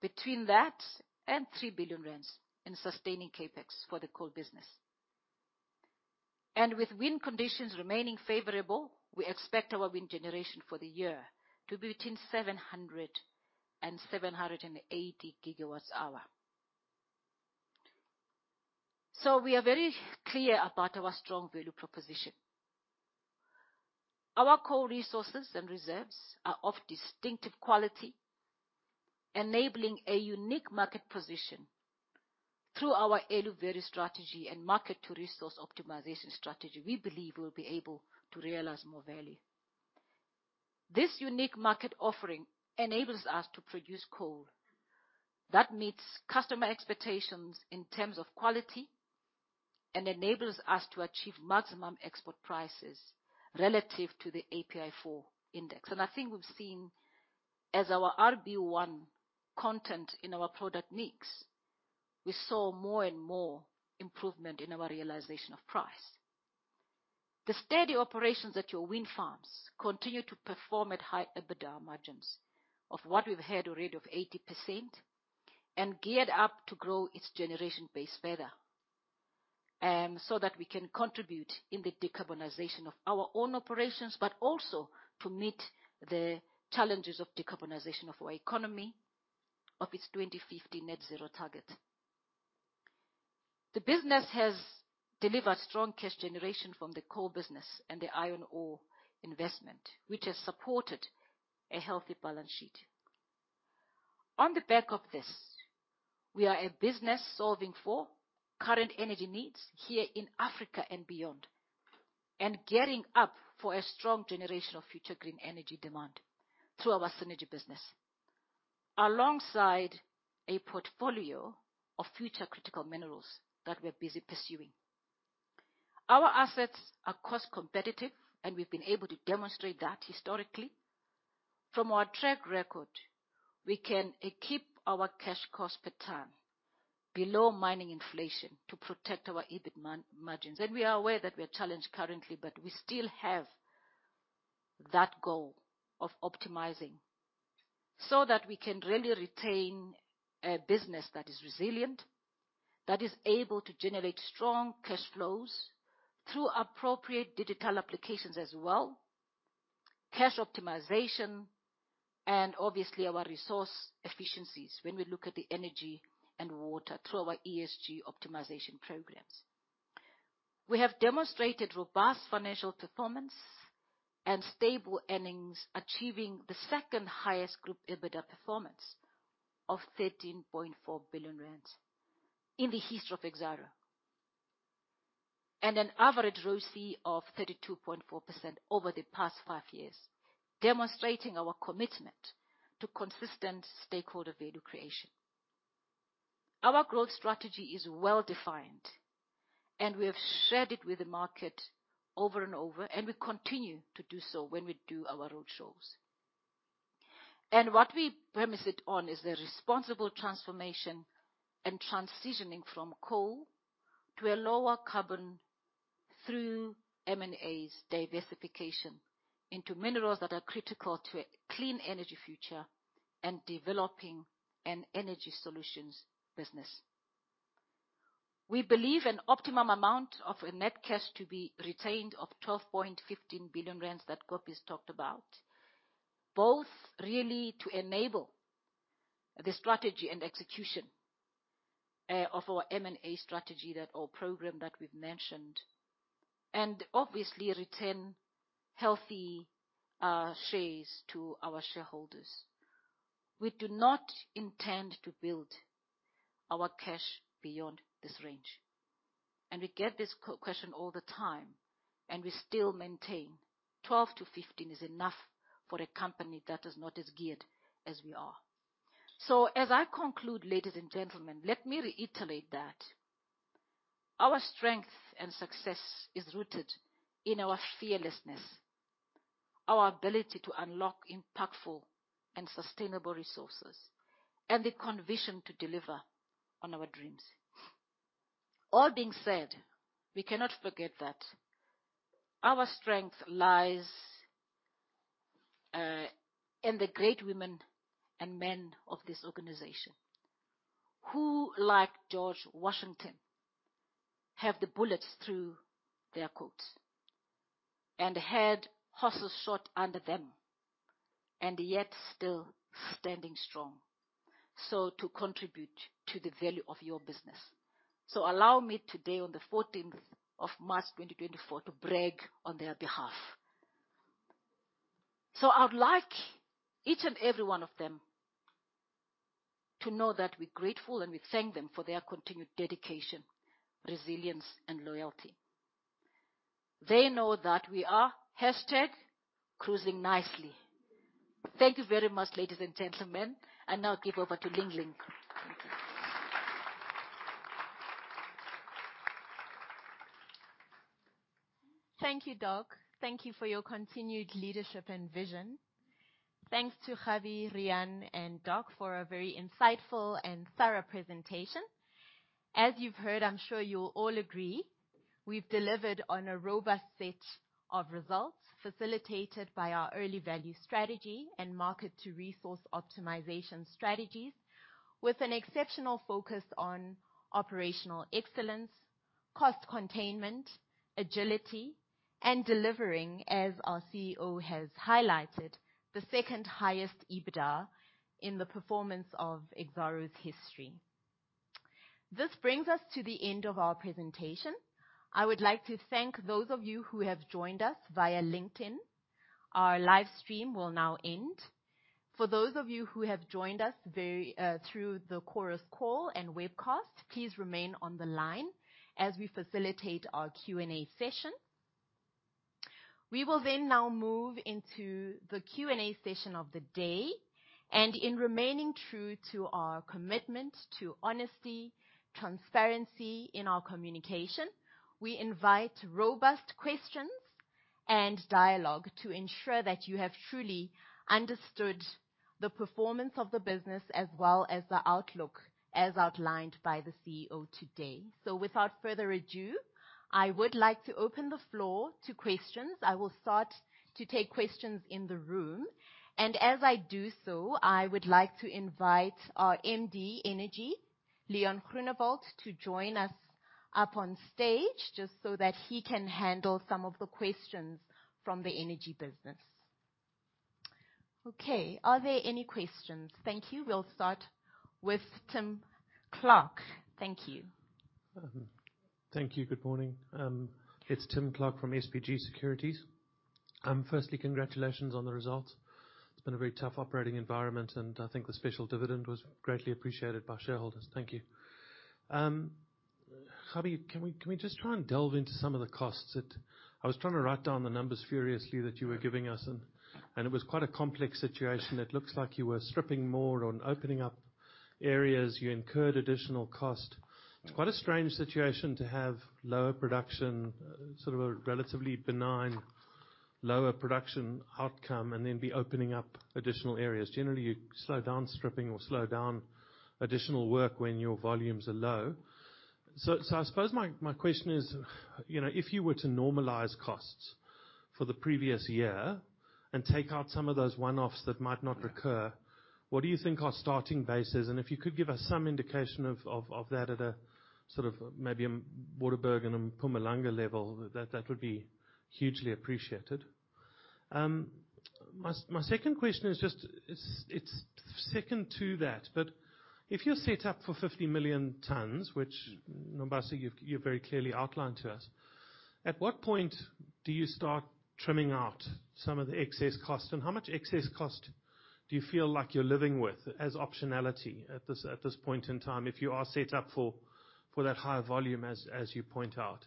between that and 3 billion rand in sustaining CapEx for the coal business. And with wind conditions remaining favorable, we expect our wind generation for the year to be between 700-780 GWh. So, we are very clear about our strong value proposition. Our coal resources and reserves are of distinctive quality, enabling a unique market position through our ELU value strategy and market-to-resource optimization strategy. We believe we'll be able to realize more value. This unique market offering enables us to produce coal that meets customer expectations in terms of quality and enables us to achieve maximum export prices relative to the API4 Index. I think we've seen, as our RB1 content in our product mix, we saw more and more improvement in our realization of price. The steady operations at your wind farms continue to perform at high EBITDA margins of what we've heard already of 80% and geared up to grow its generation base further so that we can contribute in the decarbonization of our own operations, but also to meet the challenges of decarbonization of our economy, of its 2050 net-zero target. The business has delivered strong cash generation from the coal business and the iron ore investment, which has supported a healthy balance sheet. On the back of this, we are a business solving for current energy needs here in Africa and beyond and gearing up for a strong generation of future green energy demand through our synergy business, alongside a portfolio of future critical minerals that we're busy pursuing. Our assets are cost competitive, and we've been able to demonstrate that historically. From our track record, we can keep our cash cost pattern below mining inflation to protect our EBIT margins. We are aware that we are challenged currently, but we still have that goal of optimizing so that we can really retain a business that is resilient, that is able to generate strong cash flows through appropriate digital applications as well, cash optimization, and obviously our resource efficiencies when we look at the energy and water through our ESG optimization programs. We have demonstrated robust financial performance and stable earnings, achieving the second highest group EBITDA performance of 13.4 billion rand in the history of Exxaro and an average ROCE of 32.4% over the past five years, demonstrating our commitment to consistent stakeholder value creation. Our growth strategy is well defined, and we have shared it with the market over and over, and we continue to do so when we do our road shows. What we premise it on is the responsible transformation and transitioning from coal to a lower carbon through M&As, diversification into minerals that are critical to a clean energy future and developing an energy solutions business. We believe an optimum amount of net cash to be retained of 12.15 billion rand that Kgabi's talked about, both really to enable the strategy and execution of our M&A strategy or program that we've mentioned and obviously return healthy shares to our shareholders. We do not intend to build our cash beyond this range. We get this question all the time, and we still maintain. 12 billion-15 billion is enough for a company that is not as geared as we are. As I conclude, ladies and gentlemen, let me reiterate that our strength and success is rooted in our fearlessness, our ability to unlock impactful and sustainable resources, and the conviction to deliver on our dreams. All being said, we cannot forget that our strength lies in the great women and men of this organization who, like George Washington, have the bullets through their coats and had horses shot under them and yet still standing strong so to contribute to the value of your business. Allow me today, on the 14th of March 2024, to brag on their behalf. I'd like each and every one of them to know that we're grateful, and we thank them for their continued dedication, resilience, and loyalty. They know that we are #CruisingNicely. Thank you very much, ladies and gentlemen. Now, I'll give over to Ling-Ling.
Thank you, Doc. Thank you for your continued leadership and vision. Thanks to Kgabi, Riaan, and Doc for a very insightful and thorough presentation. As you've heard, I'm sure you'll all agree, we've delivered on a robust set of results facilitated by our early value strategy and market-to-resource optimization strategies, with an exceptional focus on operational excellence, cost containment, agility, and delivering, as our CEO has highlighted, the second highest EBITDA in the performance of Exxaro's history. This brings us to the end of our presentation. I would like to thank those of you who have joined us via LinkedIn. Our live stream will now end. For those of you who have joined us through the Chorus Call and webcast, please remain on the line as we facilitate our Q&A session. We will then now move into the Q&A session of the day. In remaining true to our commitment to honesty, transparency in our communication, we invite robust questions and dialogue to ensure that you have truly understood the performance of the business as well as the outlook as outlined by the CEO today. So, without further ado, I would like to open the floor to questions. I will start to take questions in the room. And as I do so, I would like to invite our MD Energy, Leon Groenewald, to join us up on stage just so that he can handle some of the questions from the energy business. Okay. Are there any questions? Thank you. We'll start with Tim Clark. Thank you.
Thank you. Good morning. It's Tim Clark from SBG Securities. Firstly, congratulations on the results. It's been a very tough operating environment, and I think the special dividend was greatly appreciated by shareholders. Thank you. Hobby, can we just try and delve into some of the costs? I was trying to write down the numbers furiously that you were giving us, and it was quite a complex situation. It looks like you were stripping more or opening up areas. You incurred additional cost. It's quite a strange situation to have lower production, sort of a relatively benign lower production outcome, and then be opening up additional areas. Generally, you slow down stripping or slow down additional work when your volumes are low. So, I suppose my question is, if you were to normalize costs for the previous year and take out some of those one-offs that might not recur, what do you think our starting base is? And if you could give us some indication of that at a sort of maybe a Waterberg and a Mpumalanga level, that would be hugely appreciated. My second question is just it's second to that. But if you're set up for 50 million tons, which, Nombasa, you've very clearly outlined to us, at what point do you start trimming out some of the excess cost? And how much excess cost do you feel like you're living with as optionality at this point in time if you are set up for that high volume, as you point out?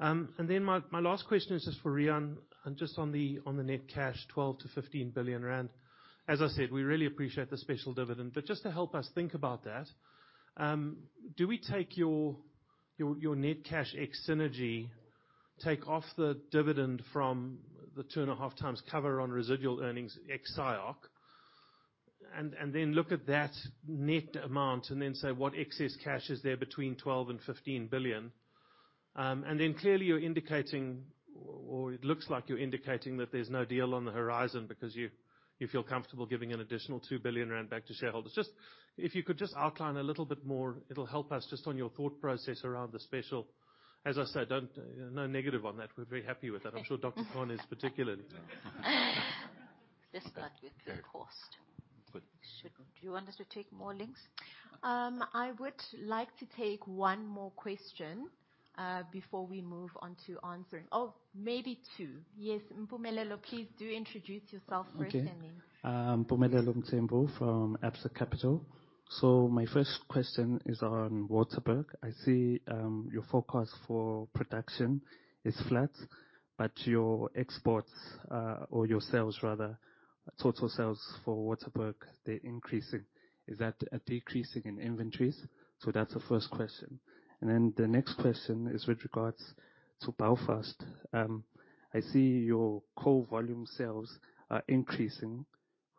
Then my last question is just for Riaan, just on the net cash, 12 billion-15 billion rand. As I said, we really appreciate the special dividend. But just to help us think about that, do we take your net cash ex-synergy, take off the dividend from the 2.5 times cover on residual earnings, ex-SIOC, and then look at that net amount and then say, "What excess cash is there between 12 billion and 15 billion?" And then clearly, you're indicating or it looks like you're indicating that there's no deal on the horizon because you feel comfortable giving an additional 2 billion rand back to shareholders. If you could just outline a little bit more, it'll help us just on your thought process around the special. As I said, no negative on that. We're very happy with that. I'm sure Dr. KhozaKhan is particularly.
Let's start with the cost.
Good.
Shouldn't you want us to take more links? I would like to take one more question before we move on to answering. Oh, maybe two. Yes, Mpumelelo, please do introduce yourself first and then.
Okay. Mpumelelo Mthembu from Absa Capital. So, my first question is on Waterberg. I see your forecast for production is flat, but your exports or your sales, rather, total sales for Waterberg, they're increasing. Is that a decrease in inventories? So, that's the first question. And then the next question is with regards to Belfast. I see your coal volume sales are increasing.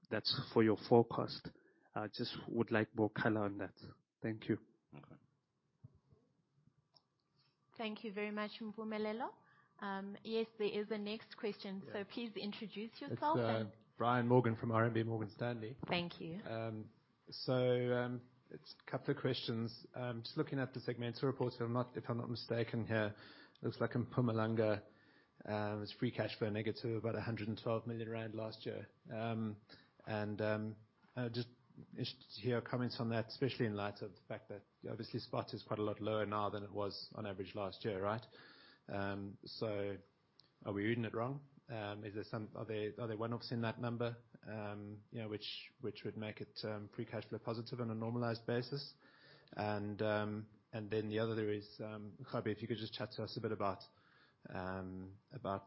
That's for your forecast. I just would like more color on that. Thank you.
Okay.
Thank you very much, Mpumelelo. Yes, there is a next question. Please introduce yourself.
It's Brian Morgan from RMB Morgan Stanley.
Thank you.
A couple of questions. Just looking at the segmental reports, if I'm not mistaken here, it looks like in Mpumalanga, it was free cash flow negative about 112 million rand last year. And just to hear your comments on that, especially in light of the fact that obviously, Spot is quite a lot lower now than it was on average last year, right? So, are we reading it wrong? Are there one-offs in that number which would make it free cash flow positive on a normalized basis? And then the other, there is Hobby, if you could just chat to us a bit about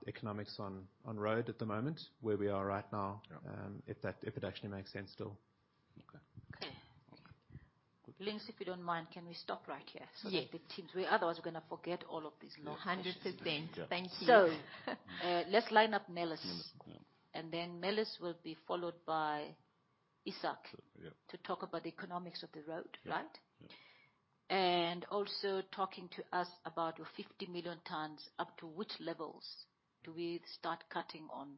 economics on road at the moment, where we are right now, if it actually makes sense still.
Okay.
Okay. Links, if you don't mind, can we stop right here so that the teams otherwise, we're going to forget all of these long questions.
100%. Thank you.
Let's line up Mellis.
Mellis, yeah.
Then Mellis will be followed by Sakkie to talk about the economics of the road, right?
Yeah.
Also talking to us about your 50 million tons, up to which levels do we start cutting on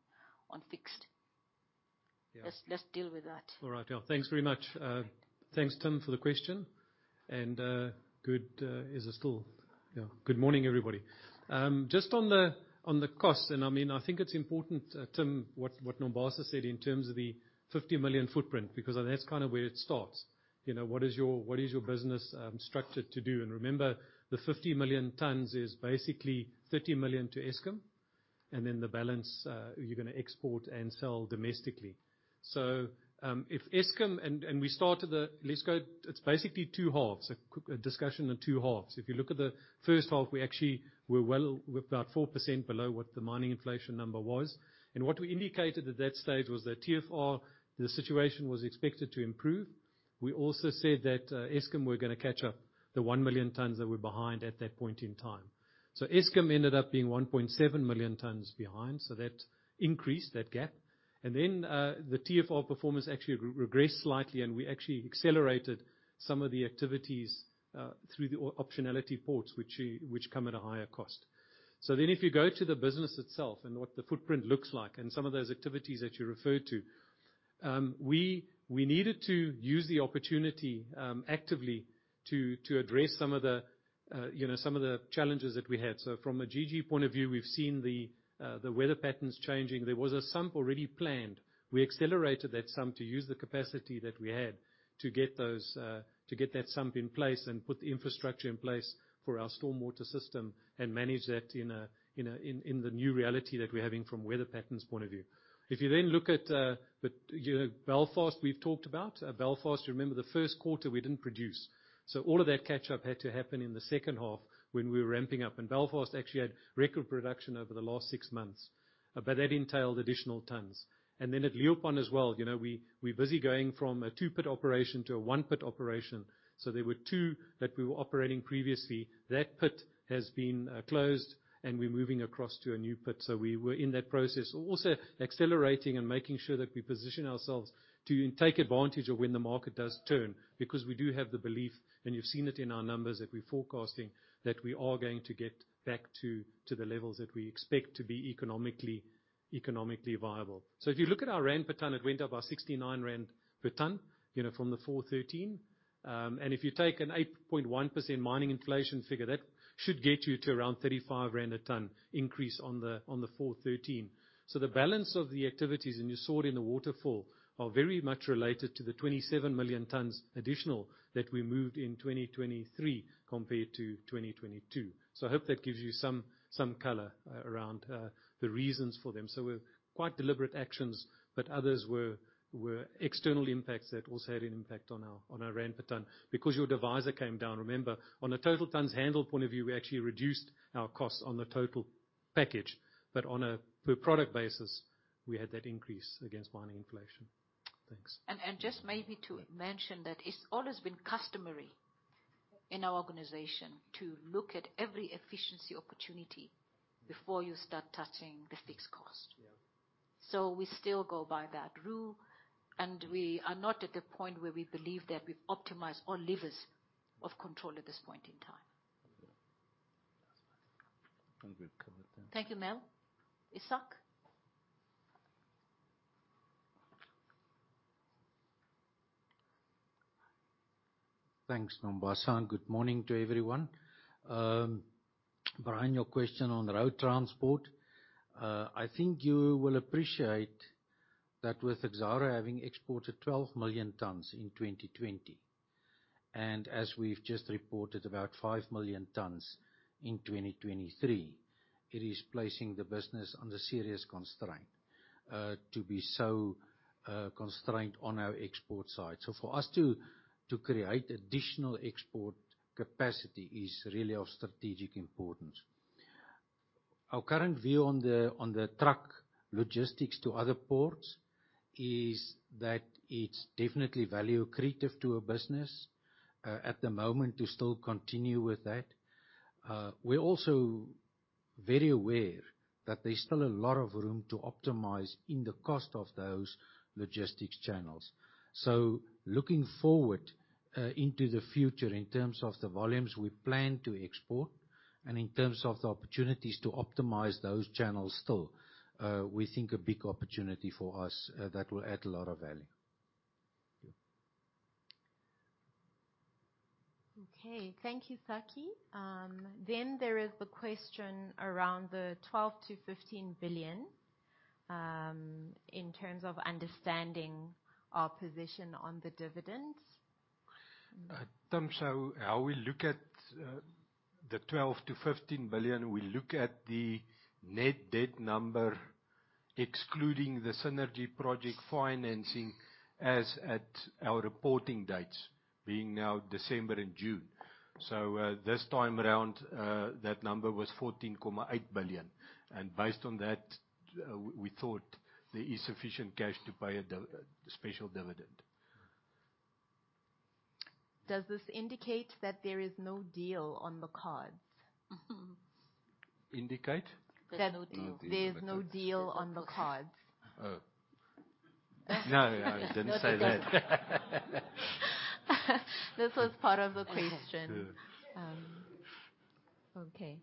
fixed?
Yeah.
Let's deal with that.
All right. Thanks very much. Thanks, Tim, for the question. And good is a still good morning, everybody. Just on the costs, and I mean, I think it's important, Tim, what Nombasa said in terms of the 50 million footprint because that's kind of where it starts. What is your business structured to do? And remember, the 50 million tons is basically 30 million to Eskom and then the balance you're going to export and sell domestically. So, if Eskom and we started the let's go it's basically two halves, a discussion of two halves. If you look at the first half, we actually were about 4% below what the mining inflation number was. And what we indicated at that stage was that TFR, the situation was expected to improve. We also said that Eskom were going to catch up the 1,000,000 tons that were behind at that point in time. So, Eskom ended up being 1,700,000 tons behind. So, that increased, that gap. And then the TFR performance actually regressed slightly, and we actually accelerated some of the activities through the optionality ports, which come at a higher cost. So, then if you go to the business itself and what the footprint looks like and some of those activities that you referred to, we needed to use the opportunity actively to address some of the challenges that we had. So, from a GG point of view, we've seen the weather patterns changing. There was a sump already planned. We accelerated that sump to use the capacity that we had to get that sump in place and put the infrastructure in place for our stormwater system and manage that in the new reality that we're having from weather patterns point of view. If you then look at Belfast, we've talked about Belfast. You remember, the first quarter, we didn't produce. So, all of that catch-up had to happen in the second half when we were ramping up. And Belfast actually had record production over the last six months, but that entailed additional tons. And then at Leeuwpan as well, we're busy going from a two-pit operation to a one-pit operation. So, there were two that we were operating previously. That pit has been closed, and we're moving across to a new pit. So, we were in that process, also accelerating and making sure that we position ourselves to take advantage of when the market does turn because we do have the belief, and you've seen it in our numbers that we're forecasting that we are going to get back to the levels that we expect to be economically viable. So, if you look at our ZAR per ton, it went up by 69 rand per ton from the 4.13. And if you take an 8.1% mining inflation figure, that should get you to around 35 rand a ton increase on the 4.13. So, the balance of the activities, and you saw it in the waterfall, are very much related to the 27 million tons additional that we moved in 2023 compared to 2022. So, I hope that gives you some color around the reasons for them. So, we're quite deliberate actions, but others were external impacts that also had an impact on our Rand per ton because your divisor came down. Remember, on a total tons handle point of view, we actually reduced our costs on the total package, but on a per-product basis, we had that increase against mining inflation. Thanks.
Just maybe to mention that it's always been customary in our organization to look at every efficiency opportunity before you start touching the fixed cost. We still go by that rule, and we are not at the point where we believe that we've optimized all levers of control at this point in time.
I think we've covered that.
Thank you, Mel. Sakkie?
Thanks, Nombasa. And good morning to everyone. Brian, your question on road transport, I think you will appreciate that with Exxaro having exported 12 million tons in 2020 and, as we've just reported, about 5 million tons in 2023, it is placing the business under serious constraint to be so constrained on our export side. So, for us to create additional export capacity is really of strategic importance. Our current view on the truck logistics to other ports is that it's definitely value creative to a business at the moment to still continue with that. We're also very aware that there's still a lot of room to optimize in the cost of those logistics channels. So, looking forward into the future in terms of the volumes we plan to export and in terms of the opportunities to optimize those channels still, we think a big opportunity for us that will add a lot of value.
Okay. Thank you, Sakkie. Then there is the question around the 12 billion-15 billion in terms of understanding our position on the dividends.
Tim, so how we look at the 12 billion-15 billion, we look at the net debt number excluding the synergy project financing as at our reporting dates, being now December and June. So, this time around, that number was 14.8 billion. And based on that, we thought there is sufficient cash to pay a special dividend.
Does this indicate that there is no deal on the cards?
Indicate?
There's no deal. There's no deal on the cards.
Oh. No, I didn't say that.
This was part of the question. Okay.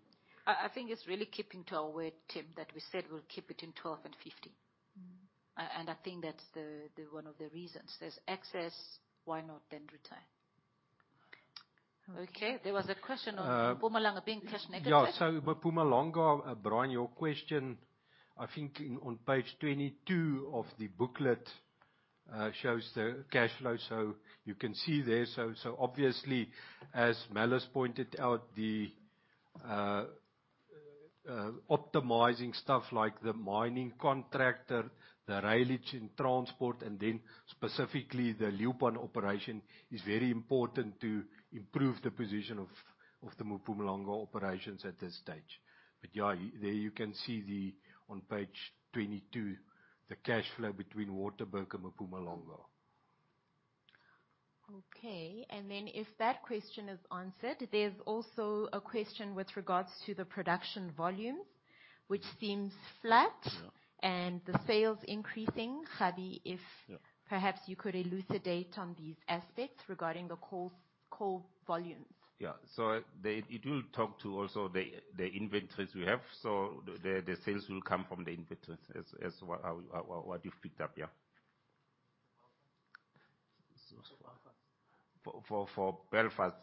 I think it's really keeping to our word, Tim, that we said we'll keep it in 12 and 50. I think that's one of the reasons. There's excess, why not then return? Okay. There was a question on Mpumalanga being cash negative.
Yeah. So, Mpumelelo, Brian, your question, I think on page 22 of the booklet shows the cash flow. So, you can see there. So, obviously, as Mellis pointed out, the optimizing stuff like the mining contractor, the Richard Lilleike in transport, and then specifically the Leeuwpan operation is very important to improve the position of the Mpumalanga operations at this stage. But yeah, there you can see on page 22 the cash flow between Waterberg and Mpumalanga.
Okay. And then if that question is answered, there's also a question with regards to the production volumes, which seems flat and the sales increasing. Hobby, if perhaps you could elucidate on these aspects regarding the coal volumes.
Yeah. So, it will talk to also the inventories we have. So, the sales will come from the inventories as what you've picked up, yeah?
Belfast.
For Belfast.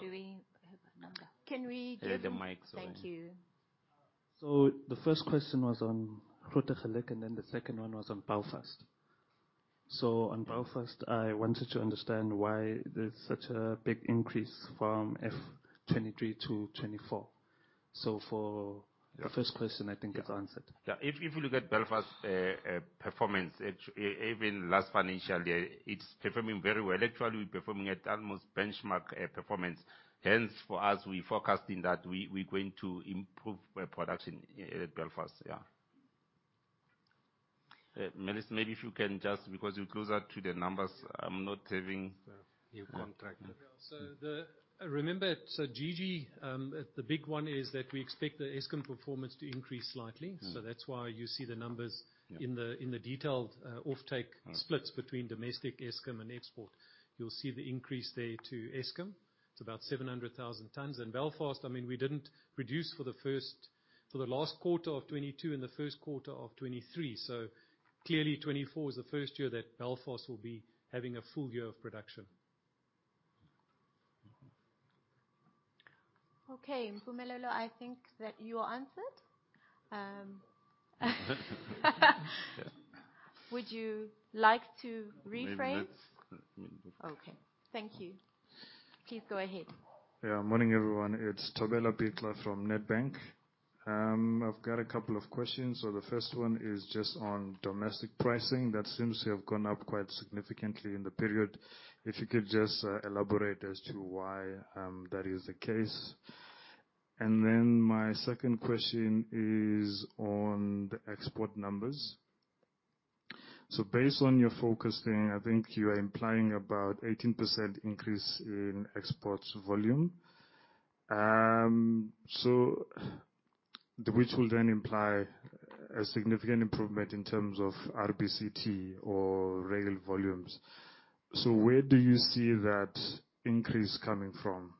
Do we have a number?
Can we give?
Here's the mic, sorry.
Thank you.
So, the first question was on Grootegeluk, and then the second one was on Belfast. So, on Belfast, I wanted to understand why there's such a big increase from FY23 to 24.So, for the first question, I think it's answered.
Yeah. If you look at Belfast performance, even last financial year, it's performing very well. Actually, we're performing at almost benchmark performance. Hence, for us, we forecast in that we're going to improve production at Belfast, yeah. Mellis, maybe if you can just because you're closer to the numbers, I'm not having.
So.
New contractor. So, remember, so GG, the big one is that we expect the Eskom performance to increase slightly. So, that's why you see the numbers in the detailed offtake splits between domestic Eskom and export. You'll see the increase there to Eskom. It's about 700,000 tons. And Belfast, I mean, we didn't reduce for the last quarter of 2022 and the first quarter of 2023. So, clearly, 2024 is the first year that Belfast will be having a full year of production.
Okay. Mpumelelo, I think that you are answered. Would you like to rephrase?
Maybe that's okay.
Okay. Thank you. Please go ahead.
Yeah. Morning, everyone. It's Thobela Bixa from Nedbank. I've got a couple of questions. So, the first one is just on domestic pricing. That seems to have gone up quite significantly in the period. If you could just elaborate as to why that is the case. And then my second question is on the export numbers. So, based on your focus thing, I think you are implying about 18% increase in exports volume, which will then imply a significant improvement in terms of RBCT or rail volumes. So, where do you see that increase coming from?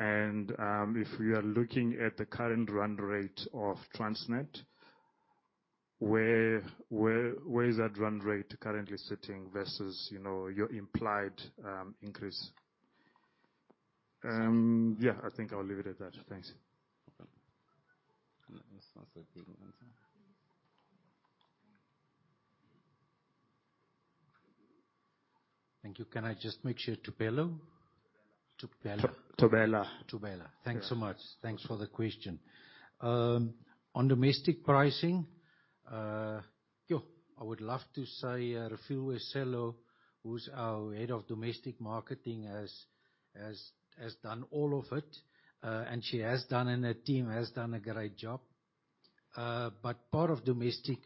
And if we are looking at the current run rate of Transnet, where is that run rate currently sitting versus your implied increase? Yeah. I think I'll leave it at that. Thanks.
Okay. And that sounds like a good answer.
Thank you. Can I just make sure? Thobela?
Tobela.
Tobela.
Thobela. Thanks so much. Thanks for the question. On domestic pricing, I would love to say Refiloe Sello, who's our head of domestic marketing, has done all of it, and she has done and her team has done a great job. But part of domestic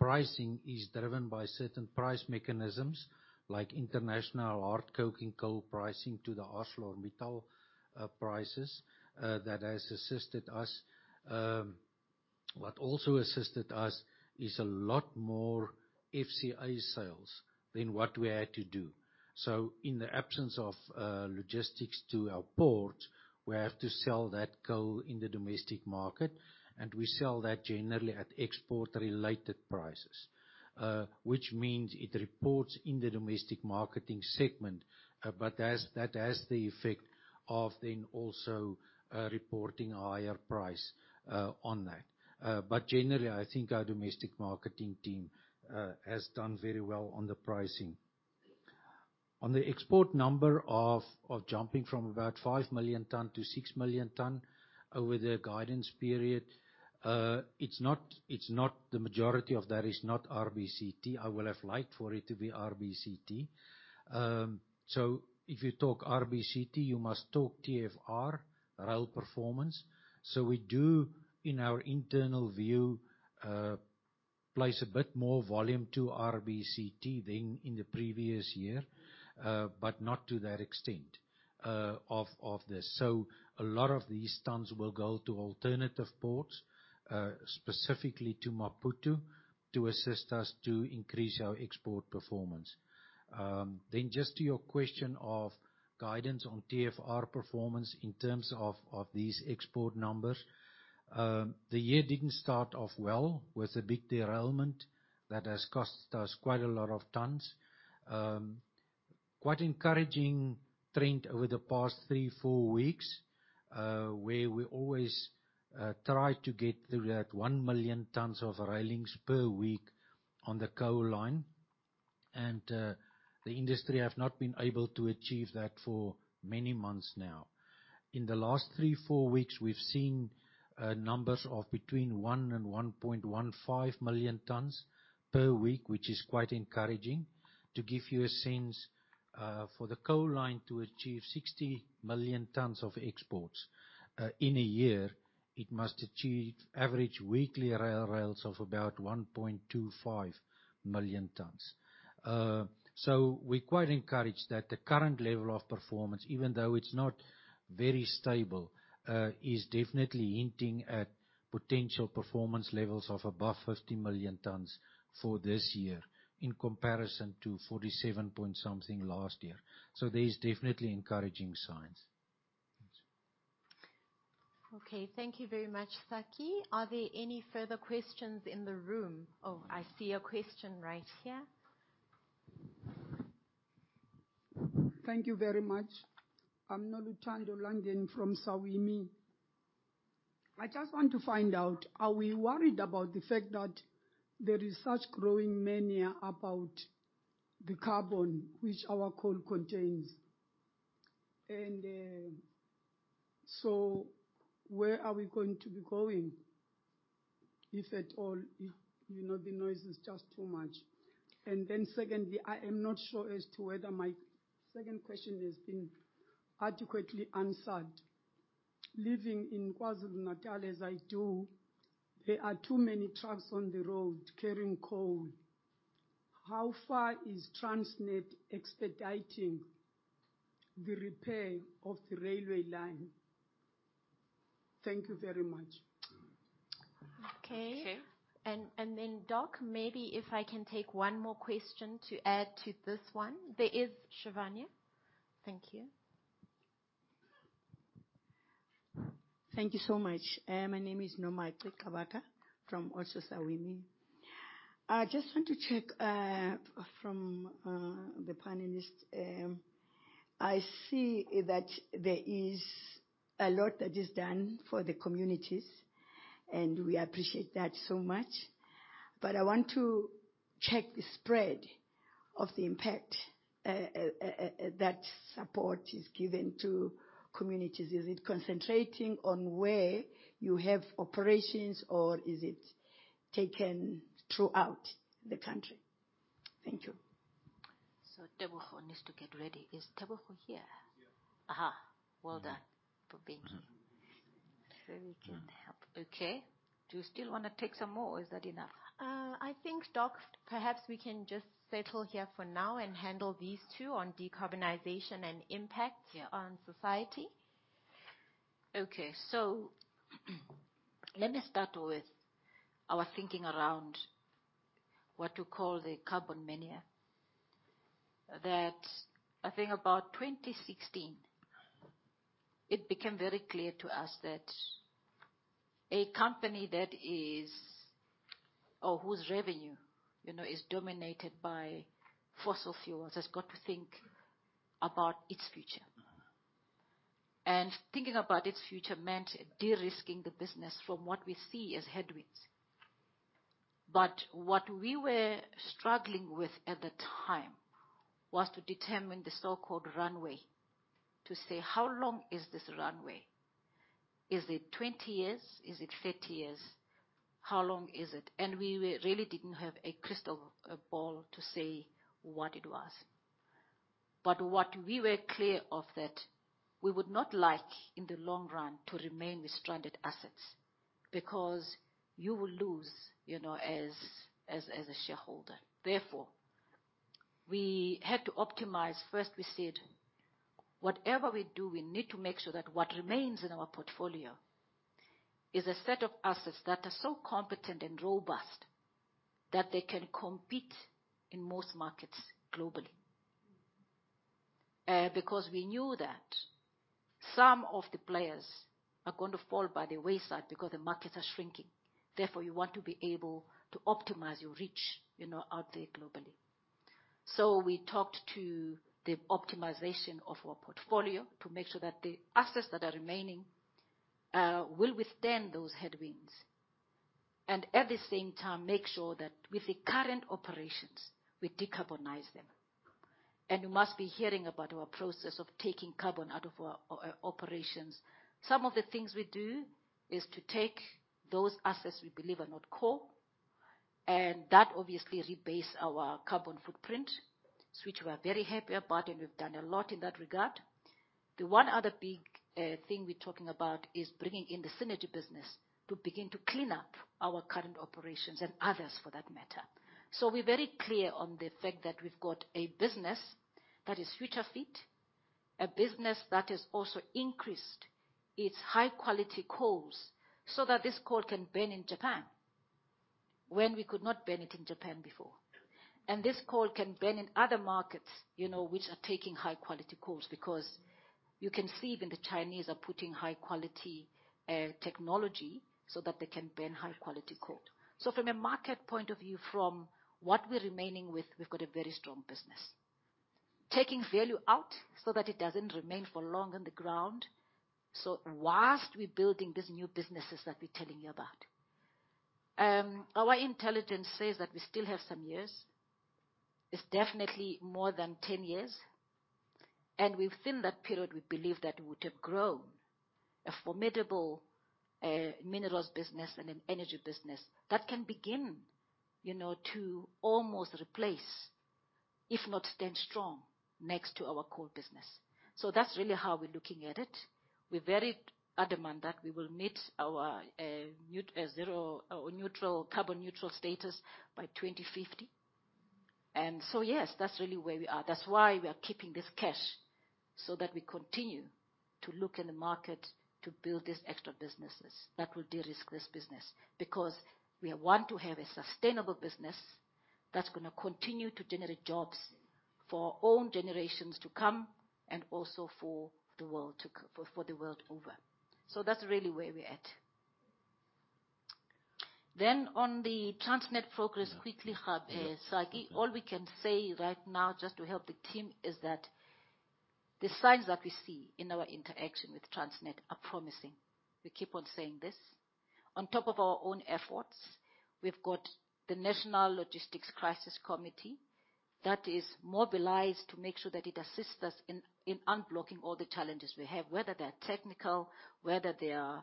pricing is driven by certain price mechanisms like international hard coking coal pricing to the ArcelorMittal prices that has assisted us. What also assisted us is a lot more FCA sales than what we had to do. So, in the absence of logistics to our ports, we have to sell that coal in the domestic market, and we sell that generally at export-related prices, which means it reports in the domestic marketing segment, but that has the effect of then also reporting a higher price on that. But generally, I think our domestic marketing team has done very well on the pricing. On the export number of jumping from about 5 million tons to 6 million tons over the guidance period, it's not the majority of that is not RBCT. I would have liked for it to be RBCT. So, if you talk RBCT, you must talk TFR, rail performance. So, we do, in our internal view, place a bit more volume to RBCT than in the previous year, but not to that extent of this. So, a lot of these tons will go to alternative ports, specifically to Maputo, to assist us to increase our export performance. Then just to your question of guidance on TFR performance in terms of these export numbers, the year didn't start off well with a big derailment that has cost us quite a lot of tons. Quite encouraging trend over the past 3-4 weeks where we always try to get through that 1 million tons of railings per week on the coal line, and the industry has not been able to achieve that for many months now. In the last 3-4 weeks, we've seen numbers of between 1 and 1.15 million tons per week, which is quite encouraging. To give you a sense, for the coal line to achieve 60 million tons of exports in a year, it must achieve average weekly rail rails of about 1.25 million tons. So, we're quite encouraged that the current level of performance, even though it's not very stable, is definitely hinting at potential performance levels of above 50 million tons for this year in comparison to 47 point something last year. So, there's definitely encouraging signs.
Okay. Thank you very much, Sakkie. Are there any further questions in the room? Oh, I see a question right here.
Thank you very much. I'm Noluthando Langeni from SAWIMIH. I just want to find out, are we worried about the fact that there is such growing mania about the carbon which our coal contains? And so, where are we going to be going if at all the noise is just too much? And then secondly, I am not sure as to whether my second question has been adequately answered. Living in KwaZulu-Natal as I do, there are too many trucks on the road carrying coal. How far is Transnet expediting the repair of the railway line? Thank you very much.
Okay.
Okay.
And then, Doc, maybe if I can take one more question to add to this one. There is Shivanya. Thank you.
Thank you so much. My name is Nomai Kwekabaka from also SAWIMIH. I just want to check from the panelist. I see that there is a lot that is done for the communities, and we appreciate that so much. But I want to check the spread of the impact that support is given to communities. Is it concentrating on where you have operations, or is it taken throughout the country? Thank you.
Teboho needs to get ready. Is Teboho here?
Yeah.
Aha. Well done for being here.
We can help.
Okay. Do you still want to take some more, or is that enough?
I think, Doc, perhaps we can just settle here for now and handle these two on decarbonization and impact on society.
Okay. So let me start with our thinking around what you call the carbon mania. That, I think, about 2016, it became very clear to us that a company that is or whose revenue is dominated by fossil fuels has got to think about its future. And thinking about its future meant de-risking the business from what we see as headwinds. But what we were struggling with at the time was to determine the so-called runway to say, "How long is this runway? Is it 20 years? Is it 30 years? How long is it?" And we really didn't have a crystal ball to say what it was. But what we were clear of that we would not like in the long run to remain with stranded assets because you will lose as a shareholder. Therefore, we had to optimize. First, we said, "Whatever we do, we need to make sure that what remains in our portfolio is a set of assets that are so competent and robust that they can compete in most markets globally." Because we knew that some of the players are going to fall by the wayside because the markets are shrinking. Therefore, you want to be able to optimize your reach out there globally. So we talked to the optimization of our portfolio to make sure that the assets that are remaining will withstand those headwinds and at the same time make sure that with the current operations, we decarbonize them. And you must be hearing about our process of taking carbon out of our operations. Some of the things we do is to take those assets we believe are not coal, and that obviously rebase our carbon footprint, which we are very happy about, and we've done a lot in that regard. The one other big thing we're talking about is bringing in the synergy business to begin to clean up our current operations and others for that matter. So we're very clear on the fact that we've got a business that is future-fit, a business that has also increased its high-quality coals so that this coal can burn in Japan when we could not burn it in Japan before. And this coal can burn in other markets which are taking high-quality coals because you can see even the Chinese are putting high-quality technology so that they can burn high-quality coal. So from a market point of view, from what we're remaining with, we've got a very strong business. Taking value out so that it doesn't remain for long on the ground while we're building these new businesses that we're telling you about. Our intelligence says that we still have some years. It's definitely more than 10 years. And within that period, we believe that we would have grown a formidable minerals business and an energy business that can begin to almost replace, if not stand strong, next to our coal business. So that's really how we're looking at it. We're very adamant that we will meet our carbon neutral status by 2050. And so yes, that's really where we are. That's why we are keeping this cash so that we continue to look in the market to build these extra businesses that will de-risk this business because we want to have a sustainable business that's going to continue to generate jobs for our own generations to come and also for the world over. So that's really where we're at. Then on the Transnet Progress Quickly Hub, Sakkie, all we can say right now just to help the team is that the signs that we see in our interaction with Transnet are promising. We keep on saying this. On top of our own efforts, we've got the National Logistics Crisis Committee that is mobilized to make sure that it assists us in unblocking all the challenges we have, whether they are technical, whether they are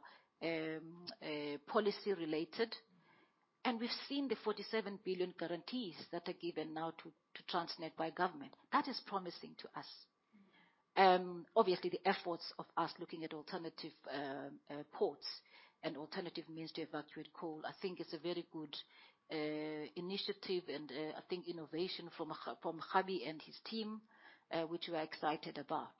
policy-related. We've seen the 47 billion guarantees that are given now to Transnet by government. That is promising to us. Obviously, the efforts of us looking at alternative ports and alternative means to evacuate coal, I think, is a very good initiative and I think innovation from Kgabi and his team, which we are excited about.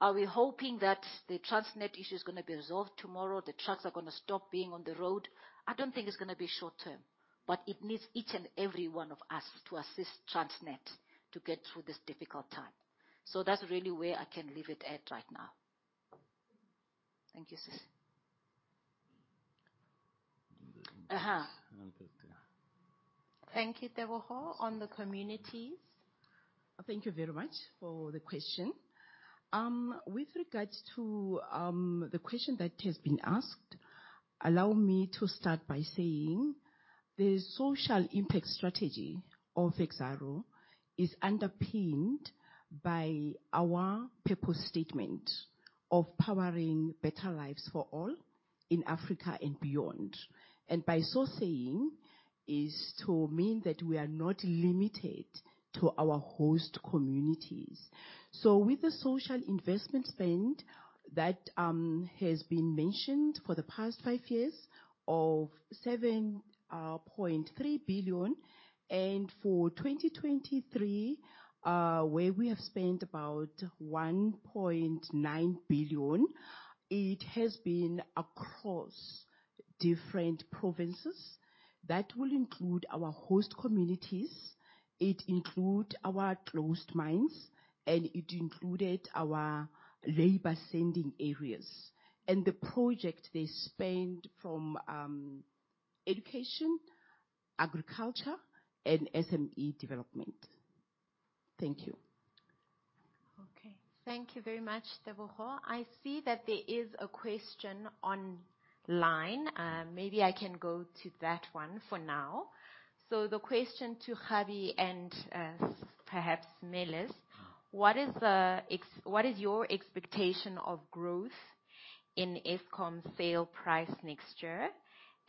Are we hoping that the Transnet issue is going to be resolved tomorrow? The trucks are going to stop being on the road? I don't think it's going to be short-term, but it needs each and every one of us to assist Transnet to get through this difficult time. So that's really where I can leave it at right now. Thank you, Sissi. Aha.
Thank you, Teboho. On the communities.
Thank you very much for the question. With regards to the question that has been asked, allow me to start by saying the social impact strategy of Exxaro is underpinned by our purpose statement of powering better lives for all in Africa and beyond. And by so saying, is to mean that we are not limited to our host communities. So with the social investment spend that has been mentioned for the past five years of 7.3 billion, and for 2023 where we have spent about 1.9 billion, it has been across different provinces. That will include our host communities. It includes our closed mines, and it included our labor-sending areas. And the project, they spend from education, agriculture, and SME development. Thank you.
Okay. Thank you very much, Teboho. I see that there is a question online. Maybe I can go to that one for now. So the question to Kgabi and perhaps Mellis, what is your expectation of growth in Eskom's sale price next year,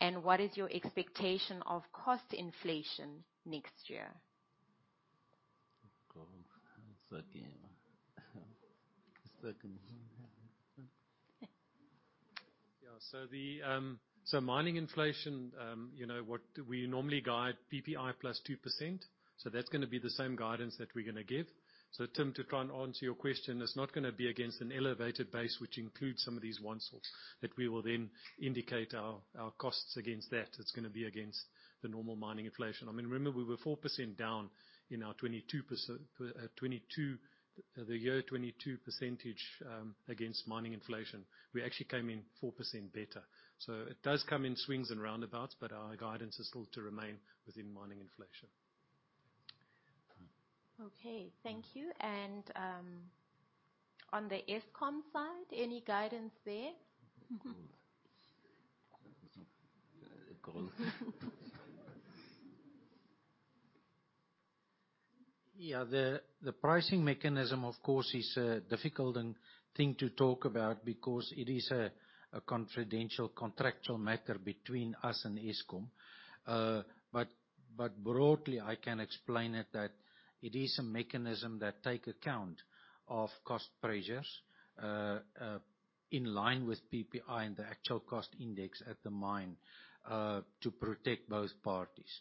and what is your expectation of cost inflation next year?
Growth.
Yeah. So mining inflation, we normally guide PPI + 2%. So that's going to be the same guidance that we're going to give. So Tim, to answer your question, it's not going to be against an elevated base, which includes some of these ones that we will then indicate our costs against that. It's going to be against the normal mining inflation. I mean, remember we were 4% down in our 22% the year 2022 percentage against mining inflation. We actually came in 4% better. So it does come in swings and roundabouts, but our guidance is still to remain within mining inflation.
Okay. Thank you. And on the Eskom side, any guidance there?
Yeah. The pricing mechanism, of course, is a difficult thing to talk about because it is a confidential contractual matter between us and Eskom. But broadly, I can explain it that it is a mechanism that takes account of cost pressures in line with PPI and the actual cost index at the mine to protect both parties.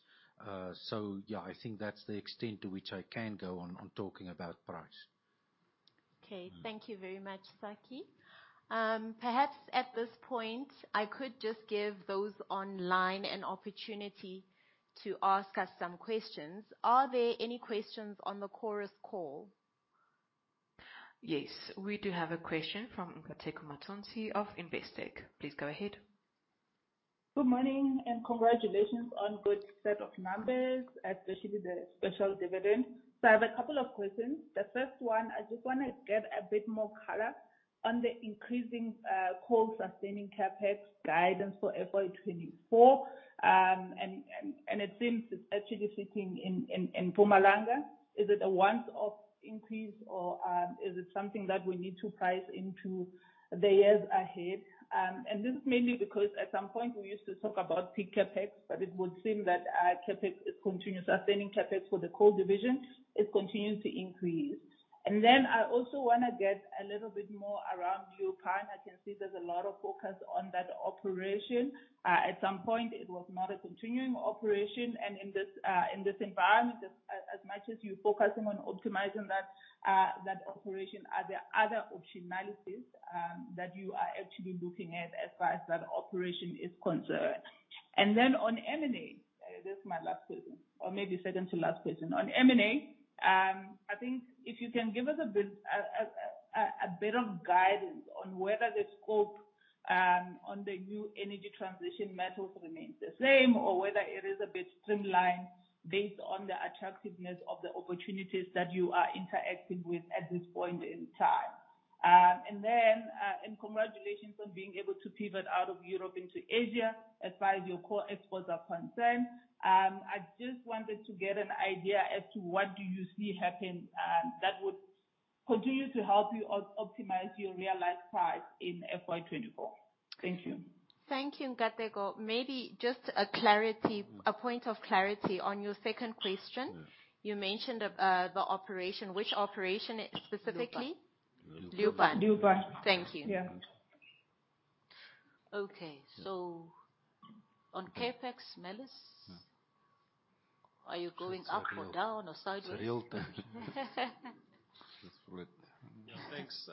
So yeah, I think that's the extent to which I can go on talking about price.
Okay. Thank you very much, Sakkie. Perhaps at this point, I could just give those online an opportunity to ask us some questions. Are there any questions on the Chorus Call?
Yes. We do have a question from Nkateko Mathonsi of Investec. Please go ahead.
Good morning and congratulations on good set of numbers, especially the special dividend. So I have a couple of questions. The first one, I just want to get a bit more color on the increasing coal-sustaining CapEx guidance for FY2024. And it seems it's actually sitting in Mpumalanga. Is it a once-off increase, or is it something that we need to price into the years ahead? And this is mainly because at some point, we used to talk about peak CapEx, but it would seem that CapEx is continuing sustaining CapEx for the coal division is continuing to increase. And then I also want to get a little bit more around Leeuwpan. I can see there's a lot of focus on that operation. At some point, it was not a continuing operation. In this environment, as much as you're focusing on optimizing that operation, are there other optionalities that you are actually looking at as far as that operation is concerned? Then on M&A this is my last question or maybe second to last question. On M&A, I think if you can give us a bit of guidance on whether the scope on the new energy transition metals remains the same or whether it is a bit streamlined based on the attractiveness of the opportunities that you are interacting with at this point in time. Then congratulations on being able to pivot out of Europe into Asia as far as your coal exports are concerned. I just wanted to get an idea as to what do you see happen that would continue to help you optimize your realized price in FY24. Thank you.
Thank you, Nkateko. Maybe just a point of clarity on your second question. You mentioned the operation. Which operation specifically?
Lupan.
Lupan.
Lupan.
Thank you.
Yeah.
Okay. So on CapEx, Mellis, are you going up or down or sideways?
It's real-term.
Thanks.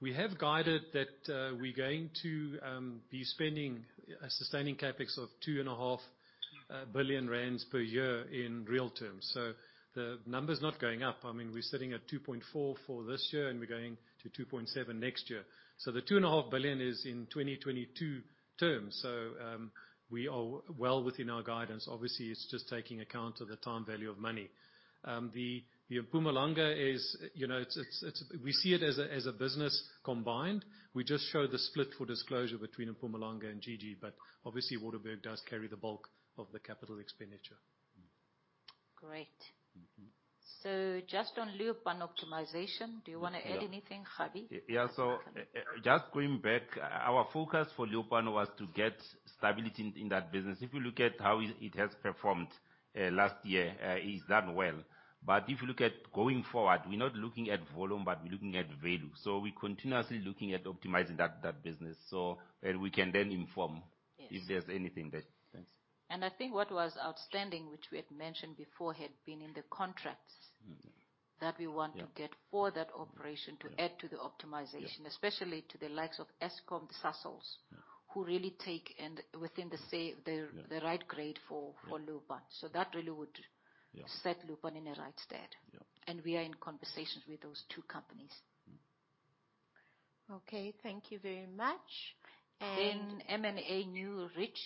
We have guided that we're going to be spending sustaining CapEx of 2.5 billion rand per year in real terms. So the number's not going up. I mean, we're sitting at 2.4 billion for this year, and we're going to 2.7 billion next year. So the 2.5 billion is in 2022 terms. So we are well within our guidance. Obviously, it's just taking account of the time value of money. The Pumalanga is we see it as a business combined. We just showed the split for disclosure between Pumalanga and GG, but obviously, Waterberg does carry the bulk of the capital expenditure.
Great. So just on Leeuwpan optimization, do you want to add anything, Kgabi?
Yeah. So just going back, our focus for Leeuwpan was to get stability in that business. If you look at how it has performed last year, it's done well. But if you look at going forward, we're not looking at volume, but we're looking at value. So we're continuously looking at optimizing that business so we can then inform if there's anything that.
I think what was outstanding, which we had mentioned before, had been in the contracts that we want to get for that operation to add to the optimization, especially to the likes of Eskom, the Sasol, who really take within the right grade for Leeuwpan. So that really would set Leeuwpan in the right stead. And we are in conversations with those two companies. Okay. Thank you very much.
Then M&A New Rich.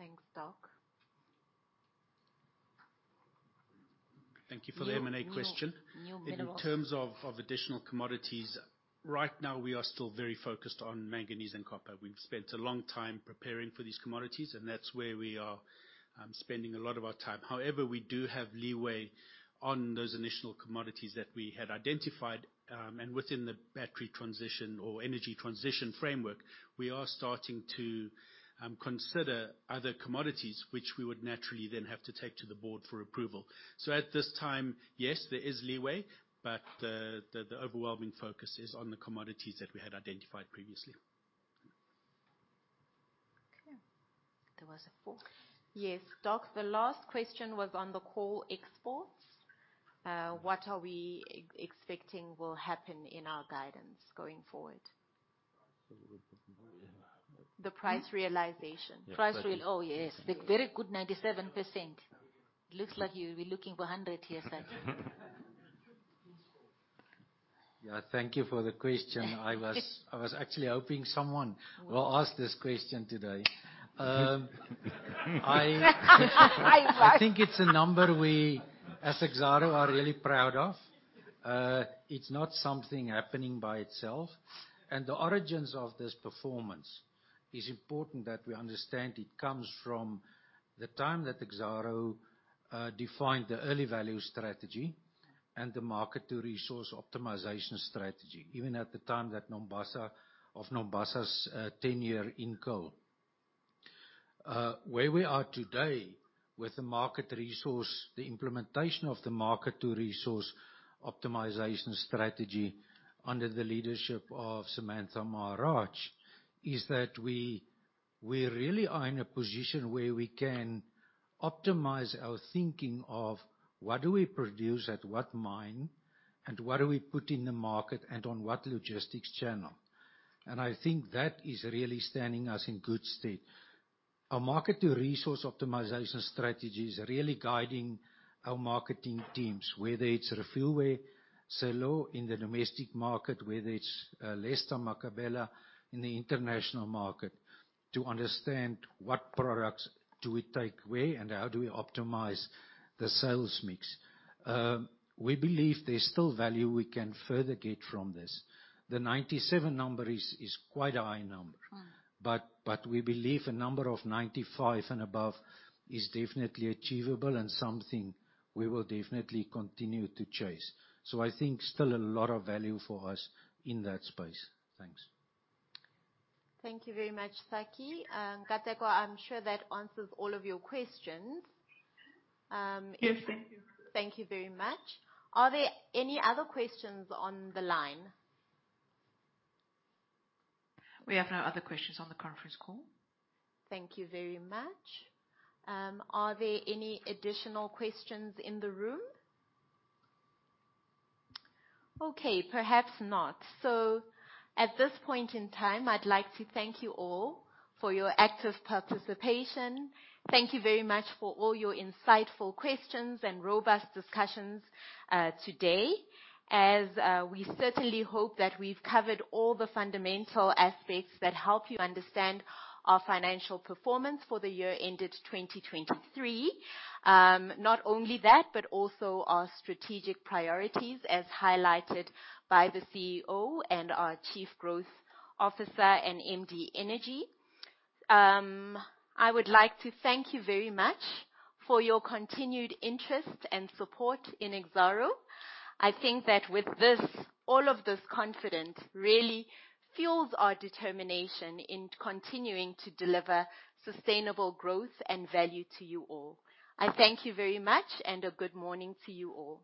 Thanks, Doc.
Thank you for the M&A question.
New Minerals.
In terms of additional commodities, right now, we are still very focused on manganese and copper. We've spent a long time preparing for these commodities, and that's where we are spending a lot of our time. However, we do have leeway on those initial commodities that we had identified. Within the battery transition or energy transition framework, we are starting to consider other commodities, which we would naturally then have to take to the board for approval. At this time, yes, there is leeway, but the overwhelming focus is on the commodities that we had identified previously.
Okay. There was a 4. Yes, Doc. The last question was on the coal exports. What are we expecting will happen in our guidance going forward? The price realization. Price realization. Oh, yes. Very good, 97%. It looks like we're looking for 100% here, Sakkie.
Yeah. Thank you for the question. I was actually hoping someone will ask this question today. I think it's a number we, as Exxaro, are really proud of. It's not something happening by itself. And the origins of this performance is important that we understand it comes from the time that Exxaro defined the early value strategy and the market-to-resource optimization strategy, even at the time of Nombasa's 10-year in coal. Where we are today with the market-to-resource, the implementation of the market-to-resource optimization strategy under the leadership of Samantha Maharaj is that we really are in a position where we can optimize our thinking of what do we produce at what mine and what do we put in the market and on what logistics channel. And I think that is really standing us in good stead. Our market-to-resource optimization strategy is really guiding our marketing teams, whether it's Refiloe Sello in the domestic market, whether it's Letsha Makgabela in the international market, to understand what products do we take away and how do we optimize the sales mix. We believe there's still value we can further get from this. The 97 number is quite a high number, but we believe a number of 95 and above is definitely achievable and something we will definitely continue to chase. So I think still a lot of value for us in that space. Thanks. Thank you very much, Sakkie. Nkateko, I'm sure that answers all of your questions.
Yes. Thank you. Thank you very much. Are there any other questions on the line?
We have no other questions on the conference call. Thank you very much. Are there any additional questions in the room? Okay. Perhaps not. So at this point in time, I'd like to thank you all for your active participation. Thank you very much for all your insightful questions and robust discussions today, as we certainly hope that we've covered all the fundamental aspects that help you understand our financial performance for the year ended 2023. Not only that, but also our strategic priorities as highlighted by the CEO and our Chief Growth Officer and MD Energy. I would like to thank you very much for your continued interest and support in Exxaro. I think that with all of this confidence really fuels our determination in continuing to deliver sustainable growth and value to you all. I thank you very much, and a good morning to you all.